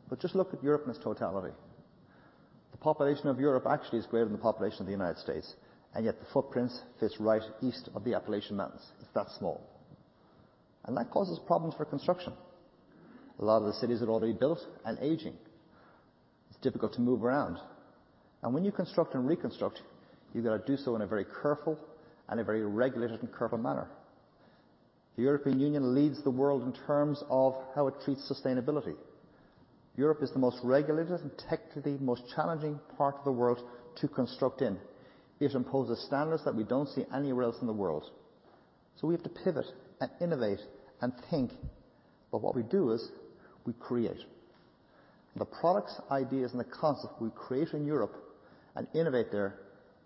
but just look at Europe in its totality. The population of Europe actually is greater than the population of the United States, and yet the footprint fits right east of the Appalachian Mountains. It's that small, and that causes problems for construction. A lot of the cities are already built and aging. It's difficult to move around, and when you construct and reconstruct, you've got to do so in a very careful and a very regulated and careful manner. The European Union leads the world in terms of how it treats sustainability. Europe is the most regulated and technically the most challenging part of the world to construct in. It imposes standards that we don't see anywhere else in the world. So we have to pivot and innovate and think, but what we do is we create. The products, ideas, and the concept we create in Europe and innovate there,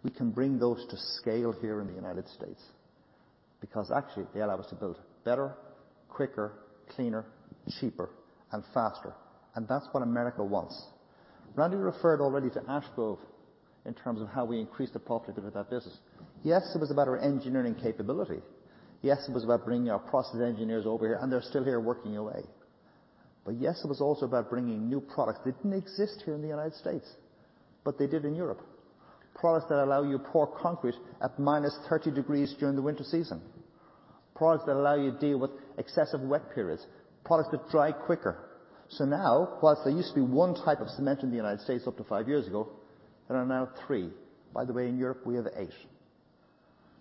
we can bring those to scale here in the United States, because actually, they allow us to build better, quicker, cleaner, cheaper, and faster, and that's what America wants. Randy referred already to Ash Grove in terms of how we increase the productivity of that business. Yes, it was about our engineering capability. Yes, it was about bringing our process engineers over here, and they're still here working away. But yes, it was also about bringing new products that didn't exist here in the United States, but they did in Europe. Products that allow you to pour concrete at -30 degrees during the winter season, products that allow you to deal with excessive wet periods, products that dry quicker. So now, while there used to be one type of cement in the United States up to five years ago, there are now three. By the way, in Europe, we have eight.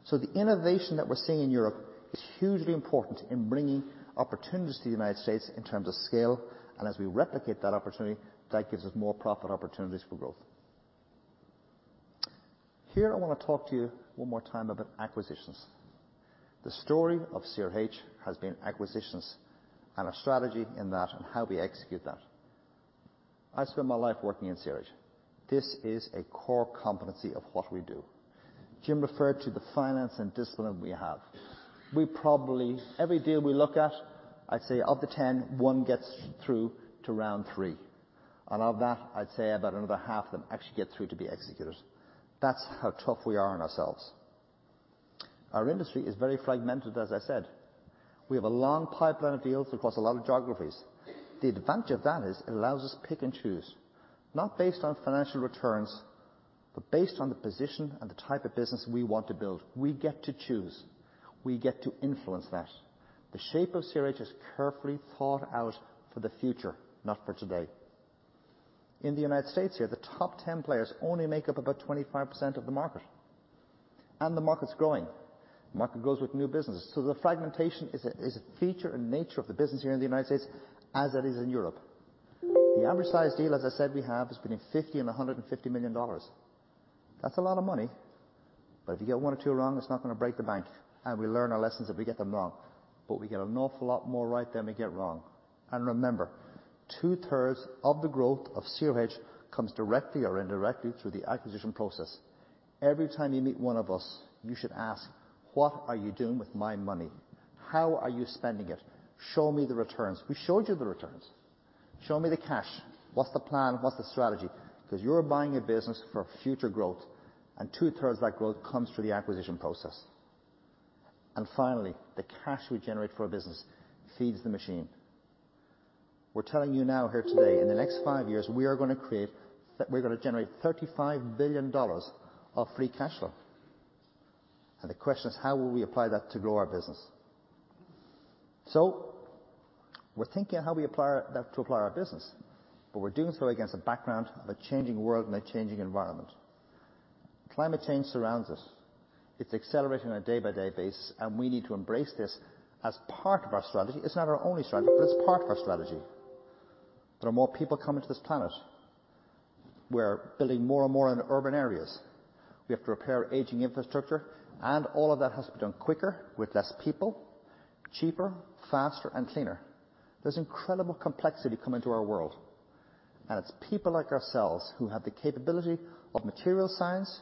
So the innovation that we're seeing in Europe is hugely important in bringing opportunities to the United States in terms of scale, and as we replicate that opportunity, that gives us more profit opportunities for growth. Here, I want to talk to you one more time about acquisitions. The story of CRH has been acquisitions and our strategy in that and how we execute that. I spent my life working in CRH. This is a core competency of what we do. Jim referred to the finance and discipline we have. We probably—every deal we look at, I'd say of the 10, one gets through to round three.... And of that, I'd say about another half of them actually get through to be executed. That's how tough we are on ourselves. Our industry is very fragmented, as I said. We have a long pipeline of deals across a lot of geographies. The advantage of that is it allows us to pick and choose, not based on financial returns, but based on the position and the type of business we want to build. We get to choose. We get to influence that. The shape of CRH is carefully thought out for the future, not for today. In the United States here, the top 10 players only make up about 25% of the market, and the market's growing. The market grows with new business, so the fragmentation is a feature and nature of the business here in the United States, as it is in Europe. The average size deal, as I said, we have, is between $50 million-$150 million. That's a lot of money, but if you get one or two wrong, it's not going to break the bank, and we learn our lessons if we get them wrong. But we get an awful lot more right than we get wrong. And remember, 2/3 of the growth of CRH comes directly or indirectly through the acquisition process. Every time you meet one of us, you should ask, "What are you doing with my money? How are you spending it? Show me the returns." We showed you the returns. "Show me the cash. What's the plan? What's the strategy?" Because you're buying a business for future growth, and 2/3 of that growth comes through the acquisition process. Finally, the cash we generate for a business feeds the machine. We're telling you now, here today, in the next five years, we're going to generate $35 billion of free cash flow. The question is, how will we apply that to grow our business? We're thinking of how we apply our, that to apply our business, but we're doing so against a background of a changing world and a changing environment. Climate change surrounds us. It's accelerating on a day-by-day basis, and we need to embrace this as part of our strategy. It's not our only strategy, but it's part of our strategy. There are more people coming to this planet. We're building more and more in urban areas. We have to repair aging infrastructure, and all of that has to be done quicker, with less people, cheaper, faster, and cleaner. There's incredible complexity coming to our world, and it's people like ourselves who have the capability of material science,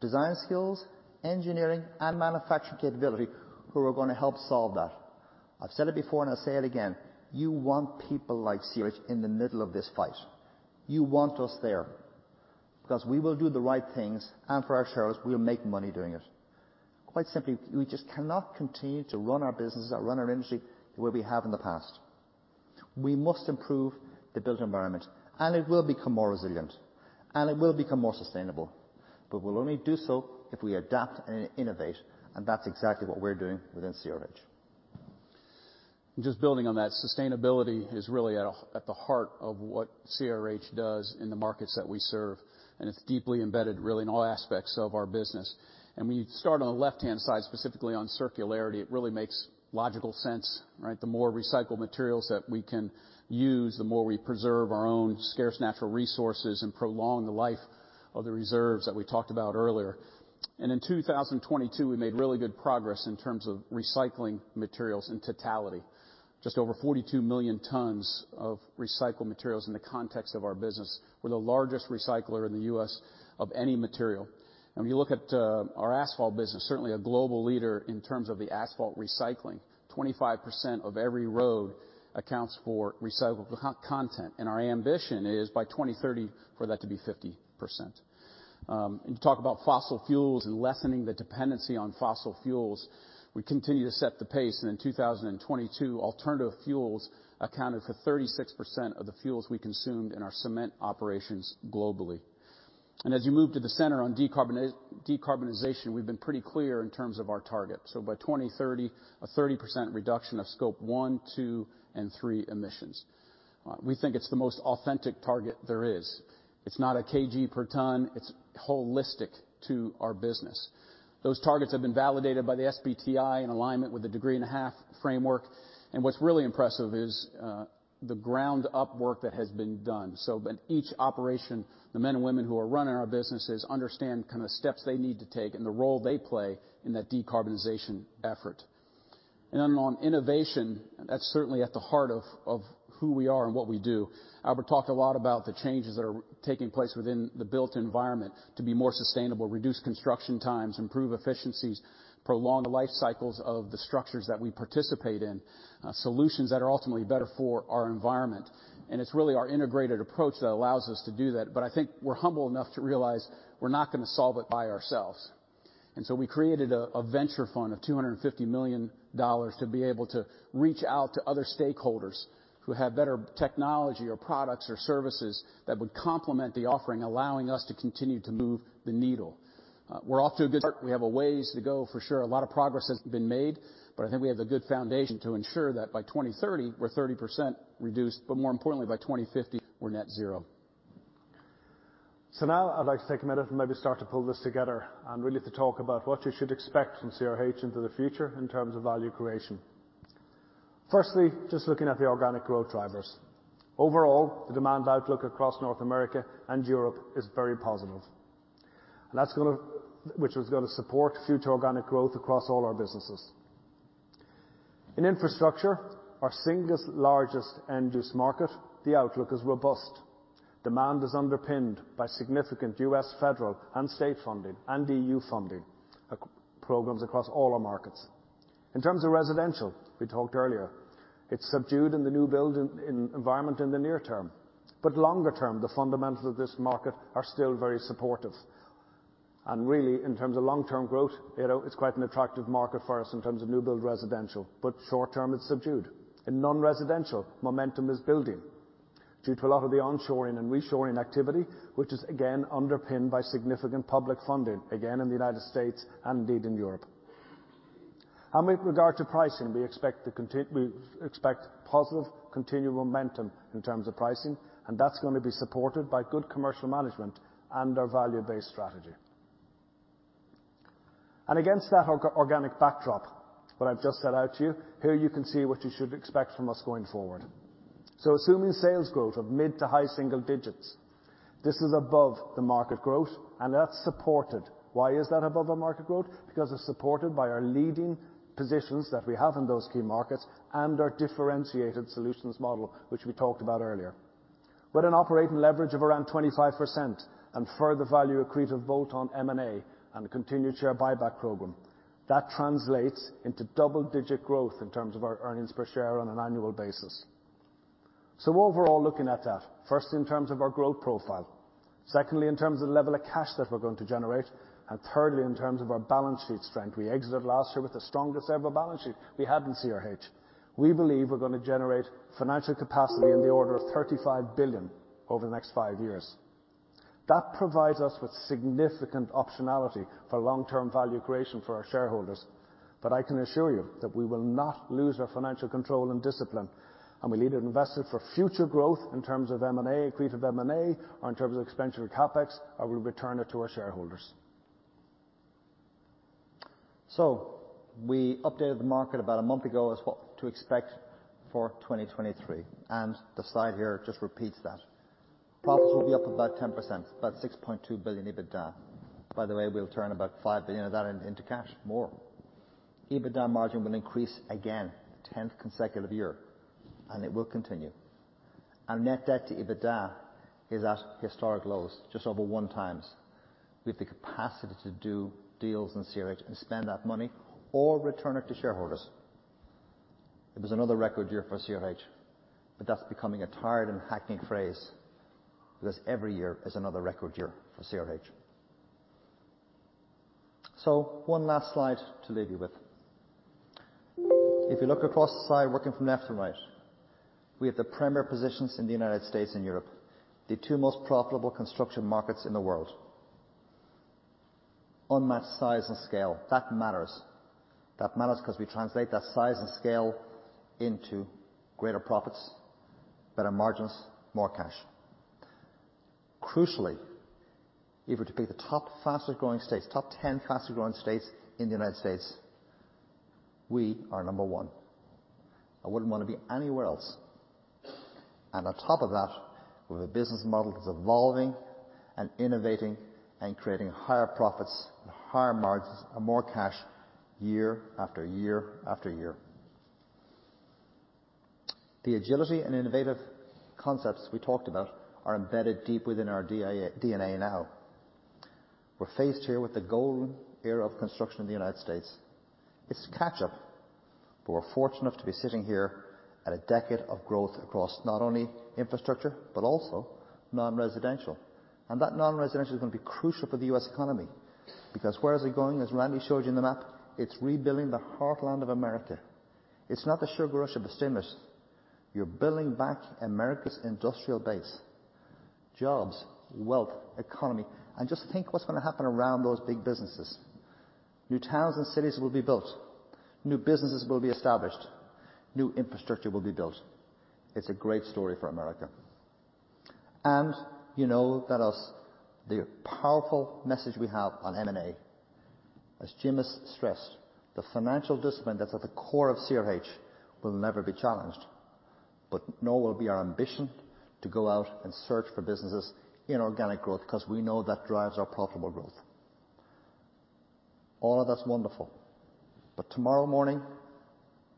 design skills, engineering, and manufacturing capability, who are going to help solve that. I've said it before, and I'll say it again, you want people like CRH in the middle of this fight. You want us there, because we will do the right things, and for our shareholders, we'll make money doing it. Quite simply, we just cannot continue to run our businesses or run our industry the way we have in the past. We must improve the built environment, and it will become more resilient, and it will become more sustainable, but we'll only do so if we adapt and innovate, and that's exactly what we're doing within CRH. Just building on that, sustainability is really at the heart of what CRH does in the markets that we serve, and it's deeply embedded, really, in all aspects of our business. And when you start on the left-hand side, specifically on circularity, it really makes logical sense, right? The more recycled materials that we can use, the more we preserve our own scarce natural resources and prolong the life of the reserves that we talked about earlier. And in 2022, we made really good progress in terms of recycling materials in totality. Just over 42 million tons of recycled materials in the context of our business. We're the largest recycler in the U.S. of any material. When you look at our asphalt business, certainly a global leader in terms of the asphalt recycling. 25% of every road accounts for recyclable content, and our ambition is, by 2030, for that to be 50%. And you talk about fossil fuels and lessening the dependency on fossil fuels, we continue to set the pace, and in 2022, alternative fuels accounted for 36% of the fuels we consumed in our cement operations globally. And as you move to the center on decarbonization, we've been pretty clear in terms of our target. So by 2030, a 30% reduction of Scope 1, 2, and 3 emissions. We think it's the most authentic target there is. It's not a kg per tonne; it's holistic to our business. Those targets have been validated by the SBTi in alignment with the degree and a half framework, and what's really impressive is, the ground-up work that has been done. At each operation, the men and women who are running our businesses understand kind of steps they need to take and the role they play in that decarbonization effort. Then on innovation, that's certainly at the heart of who we are and what we do. Albert talked a lot about the changes that are taking place within the built environment to be more sustainable, reduce construction times, improve efficiencies, prolong the life cycles of the structures that we participate in, solutions that are ultimately better for our environment. It's really our integrated approach that allows us to do that, but I think we're humble enough to realize we're not going to solve it by ourselves. And so we created a venture fund of $250 million to be able to reach out to other stakeholders who have better technology or products or services that would complement the offering, allowing us to continue to move the needle. We're off to a good start. We have a ways to go, for sure. A lot of progress has been made, but I think we have a good foundation to ensure that by 2030, we're 30% reduced, but more importantly, by 2050, we're net zero. So now I'd like to take a minute and maybe start to pull this together and really to talk about what you should expect from CRH into the future in terms of value creation. Firstly, just looking at the organic growth drivers. Overall, the demand outlook across North America and Europe is very positive, and that's gonna support future organic growth across all our businesses. In infrastructure, our single largest end-use market, the outlook is robust. Demand is underpinned by significant U.S. federal and state funding and EU funding programs across all our markets. In terms of residential, we talked earlier, it's subdued in the new build environment in the near term. But longer term, the fundamentals of this market are still very supportive. And really, in terms of long-term growth, you know, it's quite an attractive market for us in terms of new build residential, but short term, it's subdued. In non-residential, momentum is building due to a lot of the onshoring and reshoring activity, which is again underpinned by significant public funding, again, in the United States and indeed in Europe. And with regard to pricing, we expect positive continued momentum in terms of pricing, and that's gonna be supported by good commercial management and our value-based strategy. And against that organic backdrop, what I've just set out to you, here you can see what you should expect from us going forward. So assuming sales growth of mid to high single digits, this is above the market growth, and that's supported. Why is that above our market growth? Because it's supported by our leading positions that we have in those key markets and our differentiated solutions model, which we talked about earlier. With an operating leverage of around 25% and further value accretive bolt-on M&A and continued share buyback program, that translates into double-digit growth in terms of our earnings per share on an annual basis. So overall, looking at that, firstly, in terms of our growth profile, secondly, in terms of the level of cash that we're going to generate, and thirdly, in terms of our balance sheet strength. We exited last year with the strongest ever balance sheet we had in CRH. We believe we're gonna generate financial capacity in the order of $35 billion over the next five years. That provides us with significant optionality for long-term value creation for our shareholders, but I can assure you that we will not lose our financial control and discipline, and we'll either invest it for future growth in terms of M&A, accretive M&A, or in terms of expenditure CapEx, or we'll return it to our shareholders. So we updated the market about a month ago as what to expect for 2023, and the slide here just repeats that. Profits will be up about 10%, about $6.2 billion EBITDA. By the way, we'll turn about $5 billion of that in, into cash, more. EBITDA margin will increase again, 10th consecutive year, and it will continue. Our net debt to EBITDA is at historic lows, just over 1x. We have the capacity to do deals in CRH and spend that money or return it to shareholders. It was another record year for CRH, but that's becoming a tired and hackneyed phrase because every year is another record year for CRH. So one last slide to leave you with. If you look across the slide, working from left to right, we have the premier positions in the United States and Europe, the two most profitable construction markets in the world. Unmatched size and scale. That matters. That matters 'cause we translate that size and scale into greater profits, better margins, more cash. Crucially, if we were to pick the top fastest-growing states, top 10 fastest-growing states in the United States, we are number one. I wouldn't wanna be anywhere else. And on top of that, with a business model that's evolving and innovating and creating higher profits and higher margins and more cash year after year after year. The agility and innovative concepts we talked about are embedded deep within our DIY DNA now. We're faced here with the golden era of construction in the United States. It's catch up, but we're fortunate to be sitting here at a decade of growth across not only infrastructure, but also non-residential. And that non-residential is gonna be crucial for the U.S. economy, because where is it going? As Randy showed you in the map, it's rebuilding the heartland of America. It's not the sugar rush of the stimulus. You're building back America's industrial base, jobs, wealth, economy. And just think what's gonna happen around those big businesses. New towns and cities will be built, new businesses will be established, new infrastructure will be built. It's a great story for America. And you know that as the powerful message we have on M&A, as Jim has stressed, the financial discipline that's at the core of CRH will never be challenged, but nor will be our ambition to go out and search for businesses in organic growth, 'cause we know that drives our profitable growth. All of that's wonderful, but tomorrow morning,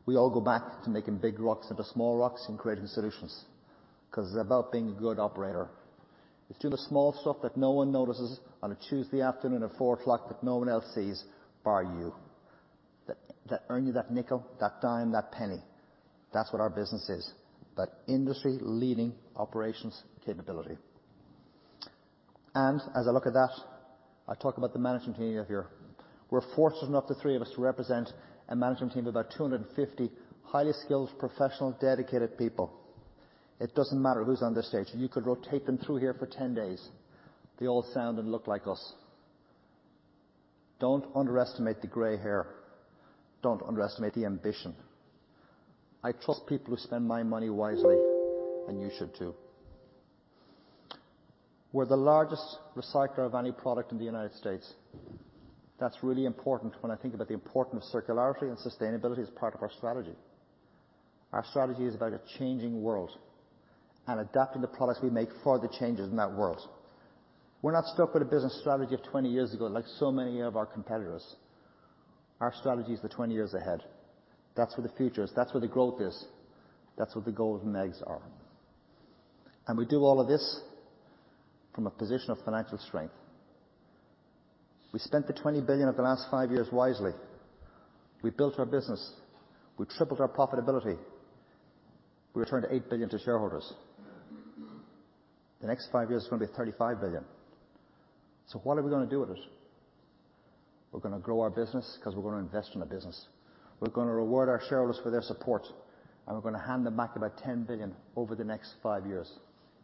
we all go back to making big rocks into small rocks and creating solutions, 'cause it's about being a good operator. It's doing the small stuff that no one notices on a Tuesday afternoon at 4:00 P.M. that no one else sees, bar you. That, that earn you that nickel, that dime, that penny. That's what our business is, that industry-leading operations capability. And as I look at that, I talk about the management team you have here. We're fortunate enough, the three of us, to represent a management team of about 250 highly skilled, professional, dedicated people. It doesn't matter who's on this stage. You could rotate them through here for 10 days. They all sound and look like us. Don't underestimate the gray hair. Don't underestimate the ambition. I trust people to spend my money wisely, and you should, too. We're the largest recycler of any product in the United States. That's really important when I think about the importance of circularity and sustainability as part of our strategy. Our strategy is about a changing world and adapting the products we make for the changes in that world. We're not stuck with a business strategy of 20 years ago, like so many of our competitors. Our strategy is the 20 years ahead. That's where the future is. That's where the growth is. That's where the golden eggs are. We do all of this from a position of financial strength. We spent the $20 billion of the last five years wisely. We built our business. We tripled our profitability. We returned $8 billion to shareholders. The next five years is going to be $35 billion. So what are we going to do with it? We're going to grow our business, because we're going to invest in the business. We're going to reward our shareholders for their support, and we're going to hand them back about $10 billion over the next five years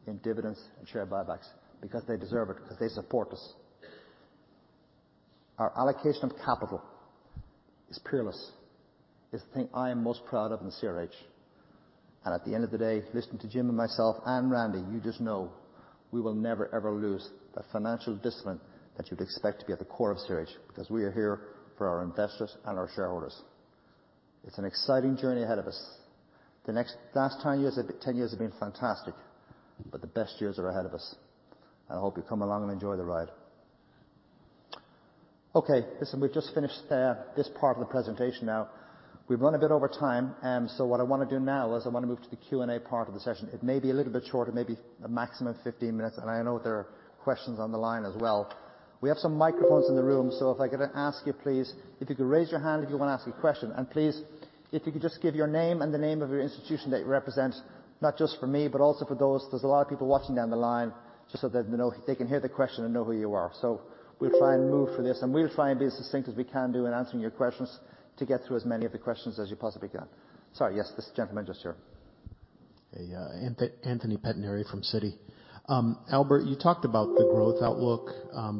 in dividends and share buybacks, because they deserve it, because they support us. Our allocation of capital is peerless. It's the thing I am most proud of in CRH. And at the end of the day, listening to Jim and myself and Randy, you just know we will never, ever lose the financial discipline that you'd expect to be at the core of CRH, because we are here for our investors and our shareholders. It's an exciting journey ahead of us. The last 10 years have been fantastic, but the best years are ahead of us, and I hope you come along and enjoy the ride. Okay, listen, we've just finished this part of the presentation now. We've run a bit over time, so what I want to do now is I want to move to the Q&A part of the session. It may be a little bit shorter, maybe a maximum of 15 minutes, and I know there are questions on the line as well. We have some microphones in the room, so if I could ask you, please, if you could raise your hand if you want to ask a question. Please, if you could just give your name and the name of your institution that you represent, not just for me, but also for those... There's a lot of people watching down the line, just so that they know, they can hear the question and know who you are. So we'll try and move through this, and we'll try and be as succinct as we can do in answering your questions to get through as many of the questions as you possibly can. Sorry. Yes, this gentleman just here. Hey, Anthony Pettinari from Citi. Albert, you talked about the growth outlook,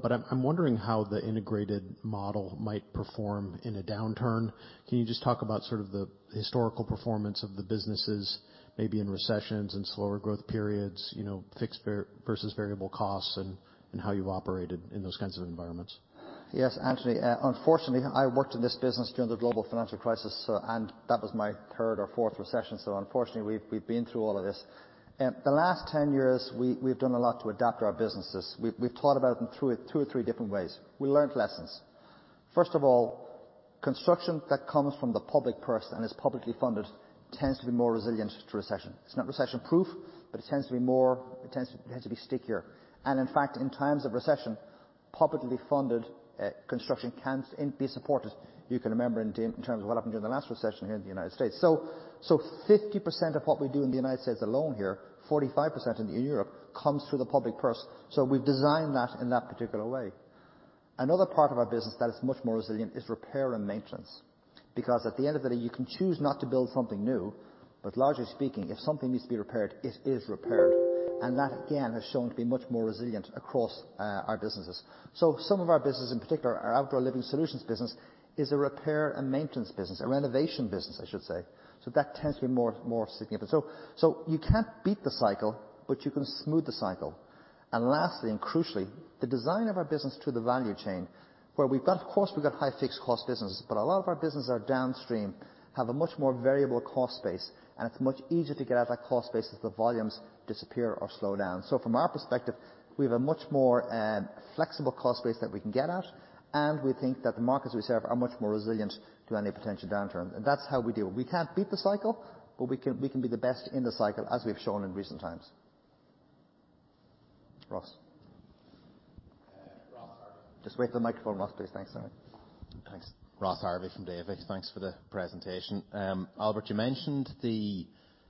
but I'm wondering how the integrated model might perform in a downturn. Can you just talk about sort of the historical performance of the businesses, maybe in recessions and slower growth periods, you know, fixed versus variable costs and how you've operated in those kinds of environments? Yes, Anthony, unfortunately, I worked in this business during the global financial crisis, and that was my third or fourth recession, so unfortunately, we've, we've been through all of this. The last 10 years, we, we've done a lot to adapt our businesses. We've, we've thought about them through two or three different ways. We learned lessons. First of all, construction that comes from the public purse and is publicly funded tends to be more resilient to recession. It's not recession-proof, but it tends to be more... It tends to, tends to be stickier. And in fact, in times of recession, publicly funded, construction can be supported. You can remember in terms of what happened during the last recession here in the United States. So, so 50% of what we do in the United States alone here, 45% in Europe, comes through the public purse, so we've designed that in that particular way. Another part of our business that is much more resilient is repair and maintenance, because at the end of the day, you can choose not to build something new, but largely speaking, if something needs to be repaired, it is repaired. And that, again, has shown to be much more resilient across our businesses. So some of our business, in particular our Outdoor Living Solutions business, is a repair and maintenance business, a renovation business, I should say. So that tends to be more, more significant. So, so you can't beat the cycle, but you can smooth the cycle. And lastly, and crucially, the design of our business through the value chain, where we've got, of course, we've got high fixed cost businesses, but a lot of our businesses are downstream, have a much more variable cost base, and it's much easier to get out of that cost base as the volumes disappear or slow down. So from our perspective, we have a much more flexible cost base that we can get at, and we think that the markets we serve are much more resilient to any potential downturn. And that's how we deal. We can't beat the cycle, but we can be the best in the cycle, as we've shown in recent times. Ross? Ross Harvey. Just wait for the microphone, Ross, please. Thanks. Sorry. Thanks. Ross Harvey from Davy. Thanks for the presentation. Albert, you mentioned the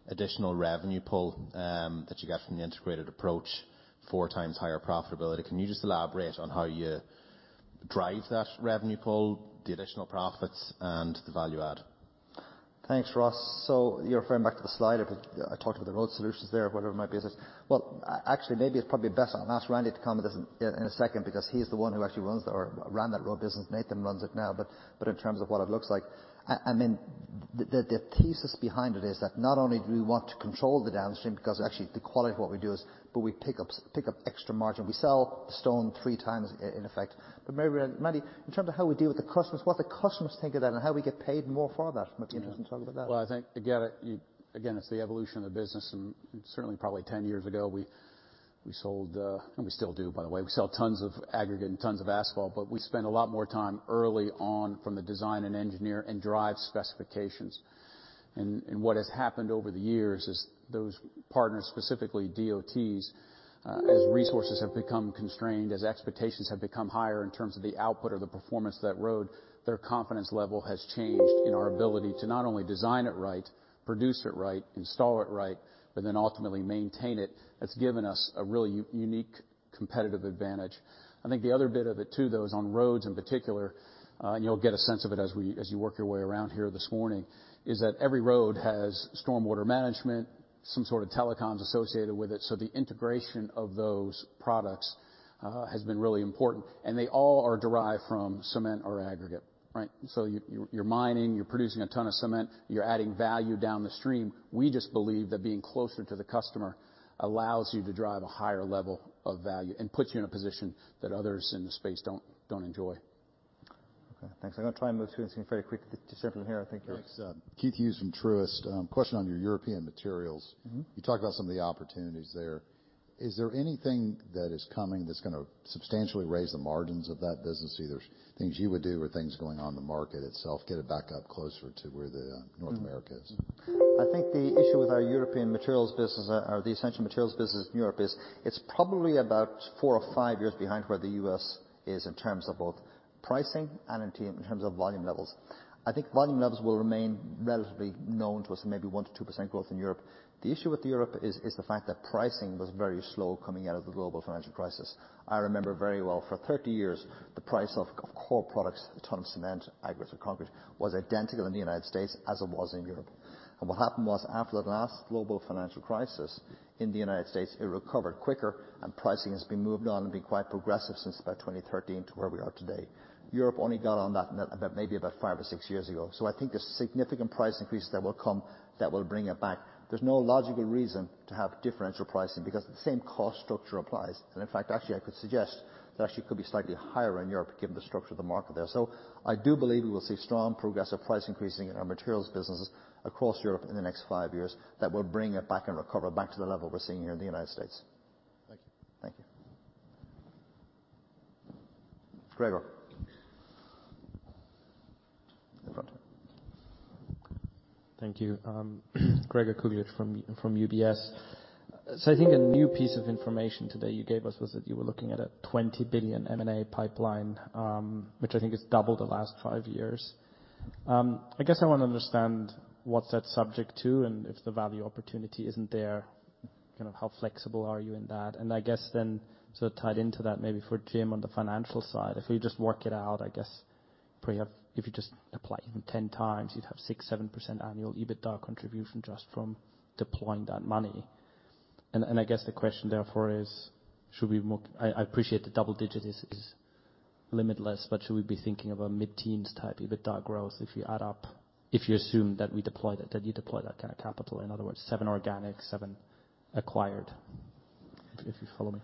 additional revenue pull, that you get from the integrated approach, four times higher profitability. Can you just elaborate on how you drive that revenue pull, the additional profits, and the value add? Thanks, Ross. So you're referring back to the slide, if I talked about the road solutions there, whatever it might be. Well, actually, maybe it's probably best I'll ask Randy to comment on this in a second, because he's the one who actually runs the or ran that road business. Nathan runs it now. But in terms of what it looks like, I mean, the thesis behind it is that not only do we want to control the downstream, because actually the quality of what we do is, but we pick up extra margin. We sell stone three times in effect. But maybe, Randy, in terms of how we deal with the customers, what the customers think of that and how we get paid more for that, it might be interesting to talk about that. Well, I think again, you... Again, it's the evolution of the business, and certainly probably 10 years ago, we, we sold, and we still do, by the way, we sell tons of aggregate and tons of asphalt, but we spend a lot more time early on from the design and engineer and drive specifications. And, and what has happened over the years is those partners, specifically DOTs, as resources have become constrained, as expectations have become higher in terms of the output or the performance of that road, their confidence level has changed in our ability to not only design it right, produce it right, install it right, but then ultimately maintain it. That's given us a really unique competitive advantage. I think the other bit of it, too, though, is on roads in particular, and you'll get a sense of it as you work your way around here this morning, is that every road has stormwater management, some sort of telecoms associated with it, so the integration of those products has been really important, and they all are derived from cement or aggregate, right? So you're mining, you're producing a ton of cement, you're adding value down the stream. We just believe that being closer to the customer allows you to drive a higher level of value and puts you in a position that others in the space don't enjoy. Okay, thanks. I'm going to try and move through this thing very quick. This gentleman here, I think you're- Thanks. Keith Hughes from Truist. Question on your European materials. Mm-hmm. You talked about some of the opportunities there. ... Is there anything that is coming that's gonna substantially raise the margins of that business? Either things you would do or things going on in the market itself, get it back up closer to where the North America is? I think the issue with our European materials business or the essential materials business in Europe is, it's probably about 4 or 5 years behind where the U.S. is in terms of both pricing and income, in terms of volume levels. I think volume levels will remain relatively known to us, maybe 1%-2% growth in Europe. The issue with Europe is the fact that pricing was very slow coming out of the global financial crisis. I remember very well, for 30 years, the price of core products, a ton of cement, aggregates, or concrete, was identical in the United States as it was in Europe. What happened was, after the last global financial crisis in the United States, it recovered quicker, and pricing has been moved on and been quite progressive since about 2013 to where we are today. Europe only got on that, that maybe about five or six years ago. So I think there's significant price increases that will come that will bring it back. There's no logical reason to have differential pricing, because the same cost structure applies. And in fact, actually, I could suggest it actually could be slightly higher in Europe, given the structure of the market there. So I do believe we will see strong progressive price increasing in our materials businesses across Europe in the next five years, that will bring it back and recover back to the level we're seeing here in the United States. Thank you. Thank you. Gregor? In front. Thank you. Gregor Kuglitsch from UBS. So I think a new piece of information today you gave us, was that you were looking at a $20 billion M&A pipeline, which I think is double the last five years. I guess I want to understand what's that subject to, and if the value opportunity isn't there, kind of how flexible are you in that? And I guess then, sort of tied into that, maybe for Jim on the financial side, if we just work it out, I guess, probably have -- if you just apply even 10x, you'd have 6%-7% annual EBITDA contribution just from deploying that money. And, and I guess the question therefore is, should we more... I appreciate the double-digit is limitless, but should we be thinking of a mid-teens type EBITDA growth if you add up, if you assume that we deploy that kind of capital? In other words, seven organic, seven acquired. If you follow me.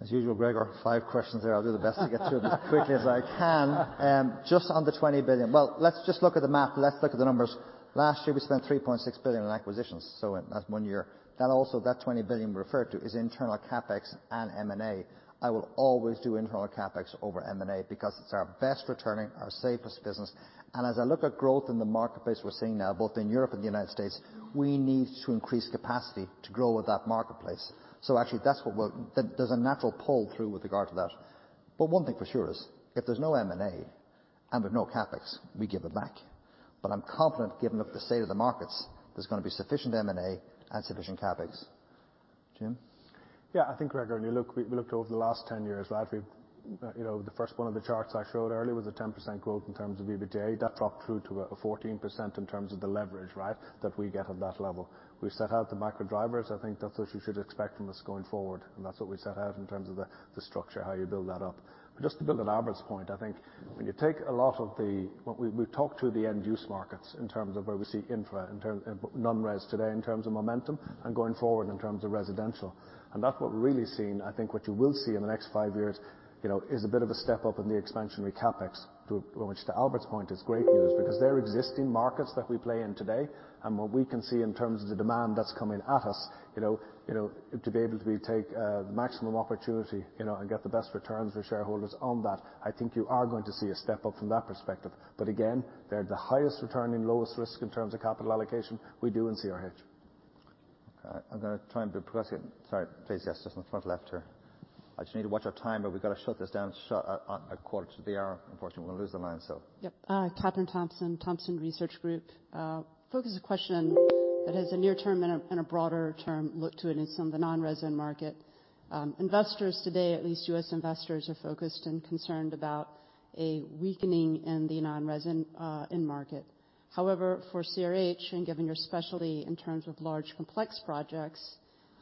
As usual, Gregor, five questions there. I'll do my best to get through them as quickly as I can. Just on the $20 billion. Well, let's just look at the math. Let's look at the numbers. Last year, we spent $3.6 billion in acquisitions, so in, that's 1 year. Then also, that $20 billion we referred to is internal CapEx and M&A. I will always do internal CapEx over M&A because it's our best returning, our safest business. And as I look at growth in the marketplace, we're seeing now, both in Europe and the United States, we need to increase capacity to grow with that marketplace. So actually, that's what we're—there's a natural pull through with regard to that. But one thing for sure is, if there's no M&A and with no CapEx, we give it back. But I'm confident, given the look of the state of the markets, there's gonna be sufficient M&A and sufficient CapEx. Jim? Yeah, I think, Gregor, when you look, we looked over the last 10 years, right? We've, you know, the first one of the charts I showed earlier was a 10% growth in terms of EBITDA. That dropped through to a 14% in terms of the leverage, right? That we get at that level. We set out the macro drivers. I think that's what you should expect from us going forward, and that's what we set out in terms of the, the structure, how you build that up. But just to build on Albert's point, I think when you take a lot of the- what we, we talked through the end use markets in terms of where we see infra, in terms of non-res today, in terms of momentum and going forward in terms of residential. And that's what we're really seeing. I think what you will see in the next five years, you know, is a bit of a step up in the expansionary CapEx, to which, to Albert's point, is great news. Because they're existing markets that we play in today, and what we can see in terms of the demand that's coming at us, you know, you know, to be able to take maximum opportunity, you know, and get the best returns for shareholders on that, I think you are going to see a step up from that perspective. But again, they're the highest returning, lowest risk in terms of capital allocation we do in CRH. I'm gonna try and be progressive. Sorry, please, yes, just in front left here. I just need to watch our time, but we've got to shut this down a quarter to the hour. Unfortunately, we'll lose the line, so. Yep. Kathryn Thompson, Thompson Research Group. I have a question that has a near term and a, and a broader term look to it in some of the non-residential market. Investors today, at least U.S. investors, are focused and concerned about a weakening in the non-residential market. However, for CRH, and given your specialty in terms of large complex projects,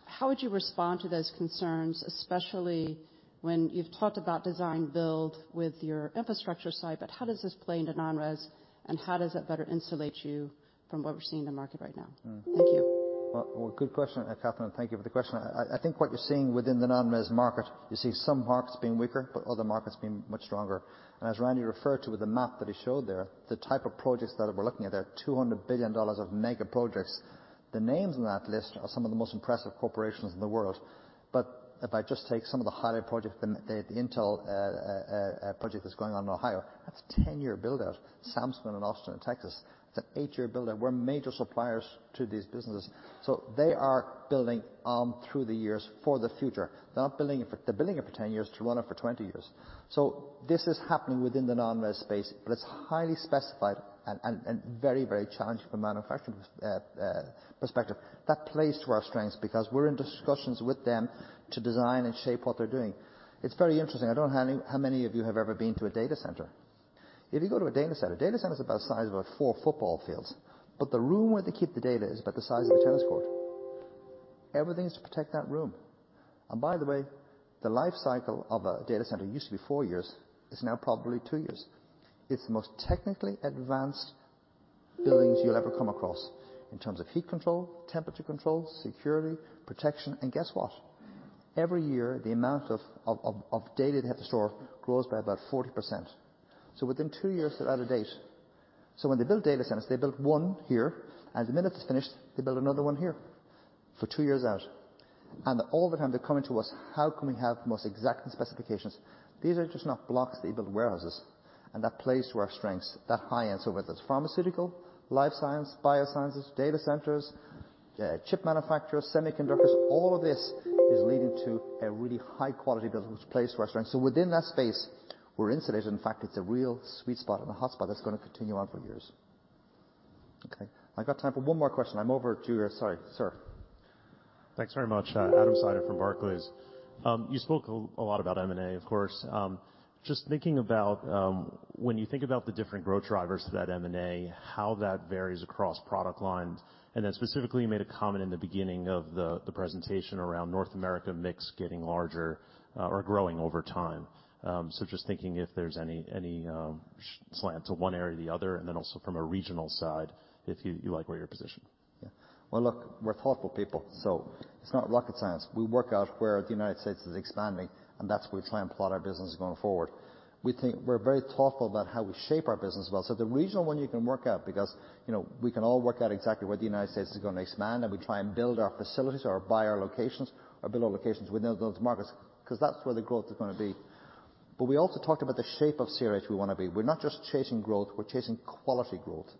how would you respond to those concerns, especially when you've talked about design build with your infrastructure side, but how does this play into non-residential, and how does that better insulate you from what we're seeing in the market right now? Thank you. Well, well, good question, Kathryn, thank you for the question. I think what you're seeing within the non-res market, you're seeing some markets being weaker, but other markets being much stronger. And as Randy referred to with the map that he showed there, the type of projects that we're looking at are $200 billion of mega projects. The names on that list are some of the most impressive corporations in the world. But if I just take some of the highlight projects, the Intel project that's going on in Ohio, that's a 10-year build-out. Samsung in Austin, Texas, it's an 8-year build-out. We're major suppliers to these businesses, so they are building on through the years for the future. They're not building it for... They're building it for 10 years to run it for 20 years. So this is happening within the non-res space, but it's highly specified and very, very challenging from a manufacturing perspective. That plays to our strengths, because we're in discussions with them to design and shape what they're doing. It's very interesting. I don't know how many of you have ever been to a data center. If you go to a data center, a data center is about the size of a four football fields, but the room where they keep the data is about the size of a tennis court. Everything is to protect that room. And by the way, the life cycle of a data center used to be four years, is now probably two years. It's the most technically advanced buildings you'll ever come across in terms of heat control, temperature control, security, protection, and guess what? Every year, the amount of data they have to store grows by about 40%. So within two years, they're out of date.... So when they build data centers, they build one here, and the minute it's finished, they build another one here for two years out. And all the time they're coming to us, "How can we have the most exacting specifications?" These are just not blocks, they build warehouses, and that plays to our strengths, that high end. So whether it's pharmaceutical, life science, biosciences, data centers, chip manufacturers, semiconductors, all of this is leading to a really high-quality business, which plays to our strengths. So within that space, we're insulated. In fact, it's a real sweet spot and a hotspot that's going to continue on for years. Okay, I've got time for one more question. I'm over to you, sir. Sorry, sir. Thanks very much. Adam Seiden from Barclays. You spoke a lot about M&A, of course. Just thinking about, when you think about the different growth drivers to that M&A, how that varies across product lines, and then specifically, you made a comment in the beginning of the presentation around North America mix getting larger, or growing over time. So just thinking if there's any slant to one area or the other, and then also from a regional side, if you like where you're positioned. Yeah. Well, look, we're thoughtful people, so it's not rocket science. We work out where the United States is expanding, and that's where we try and plot our business going forward. We think we're very thoughtful about how we shape our business as well. So the regional one you can work out because, you know, we can all work out exactly where the United States is going to expand, and we try and build our facilities or buy our locations or build our locations within those markets, 'cause that's where the growth is gonna be. But we also talked about the shape of CRH we wanna be. We're not just chasing growth, we're chasing quality growth.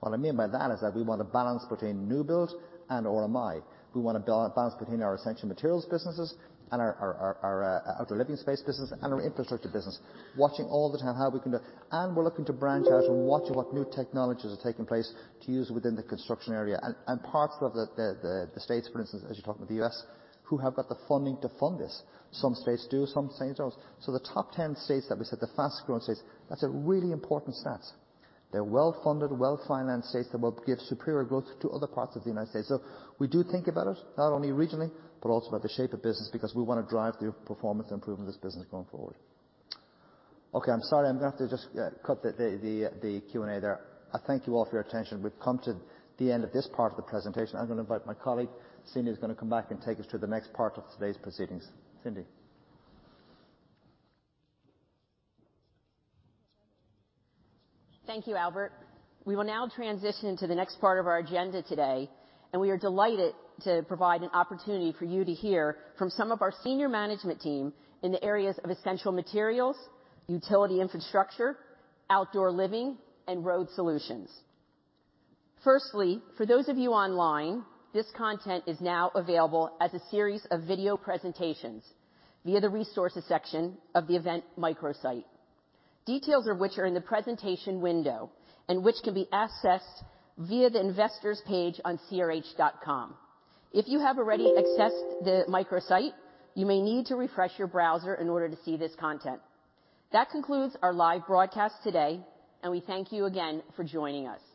What I mean by that is that we want a balance between new build and RMI. We want a balance between our Essential Materials businesses and our Outdoor Living Space business and our Infrastructure business. Watching all the time how we can do. And we're looking to branch out and watching what new technologies are taking place to use within the construction area. And parts of the states, for instance, as you're talking about the U.S., who have got the funding to fund this. Some states do, some states don't. So the top 10 states that we said, the fastest growing states, that's a really important stat. They're well-funded, well-financed states that will give superior growth to other parts of the United States. So we do think about it, not only regionally, but also about the shape of business, because we want to drive the performance improvement of this business going forward. Okay, I'm sorry. I'm going to have to just cut the Q&A there. I thank you all for your attention. We've come to the end of this part of the presentation. I'm going to invite my colleague, Cindy, who's going to come back and take us through the next part of today's proceedings. Cindy? Thank you, Albert. We will now transition to the next part of our agenda today, and we are delighted to provide an opportunity for you to hear from some of our senior management team in the areas of Essential Materials, Utility Infrastructure, Outdoor Living, and Road Solutions. Firstly, for those of you online, this content is now available as a series of video presentations via the Resources section of the event microsite. Details of which are in the presentation window and which can be accessed via the Investors page on CRH.com. If you have already accessed the microsite, you may need to refresh your browser in order to see this content. That concludes our live broadcast today, and we thank you again for joining us.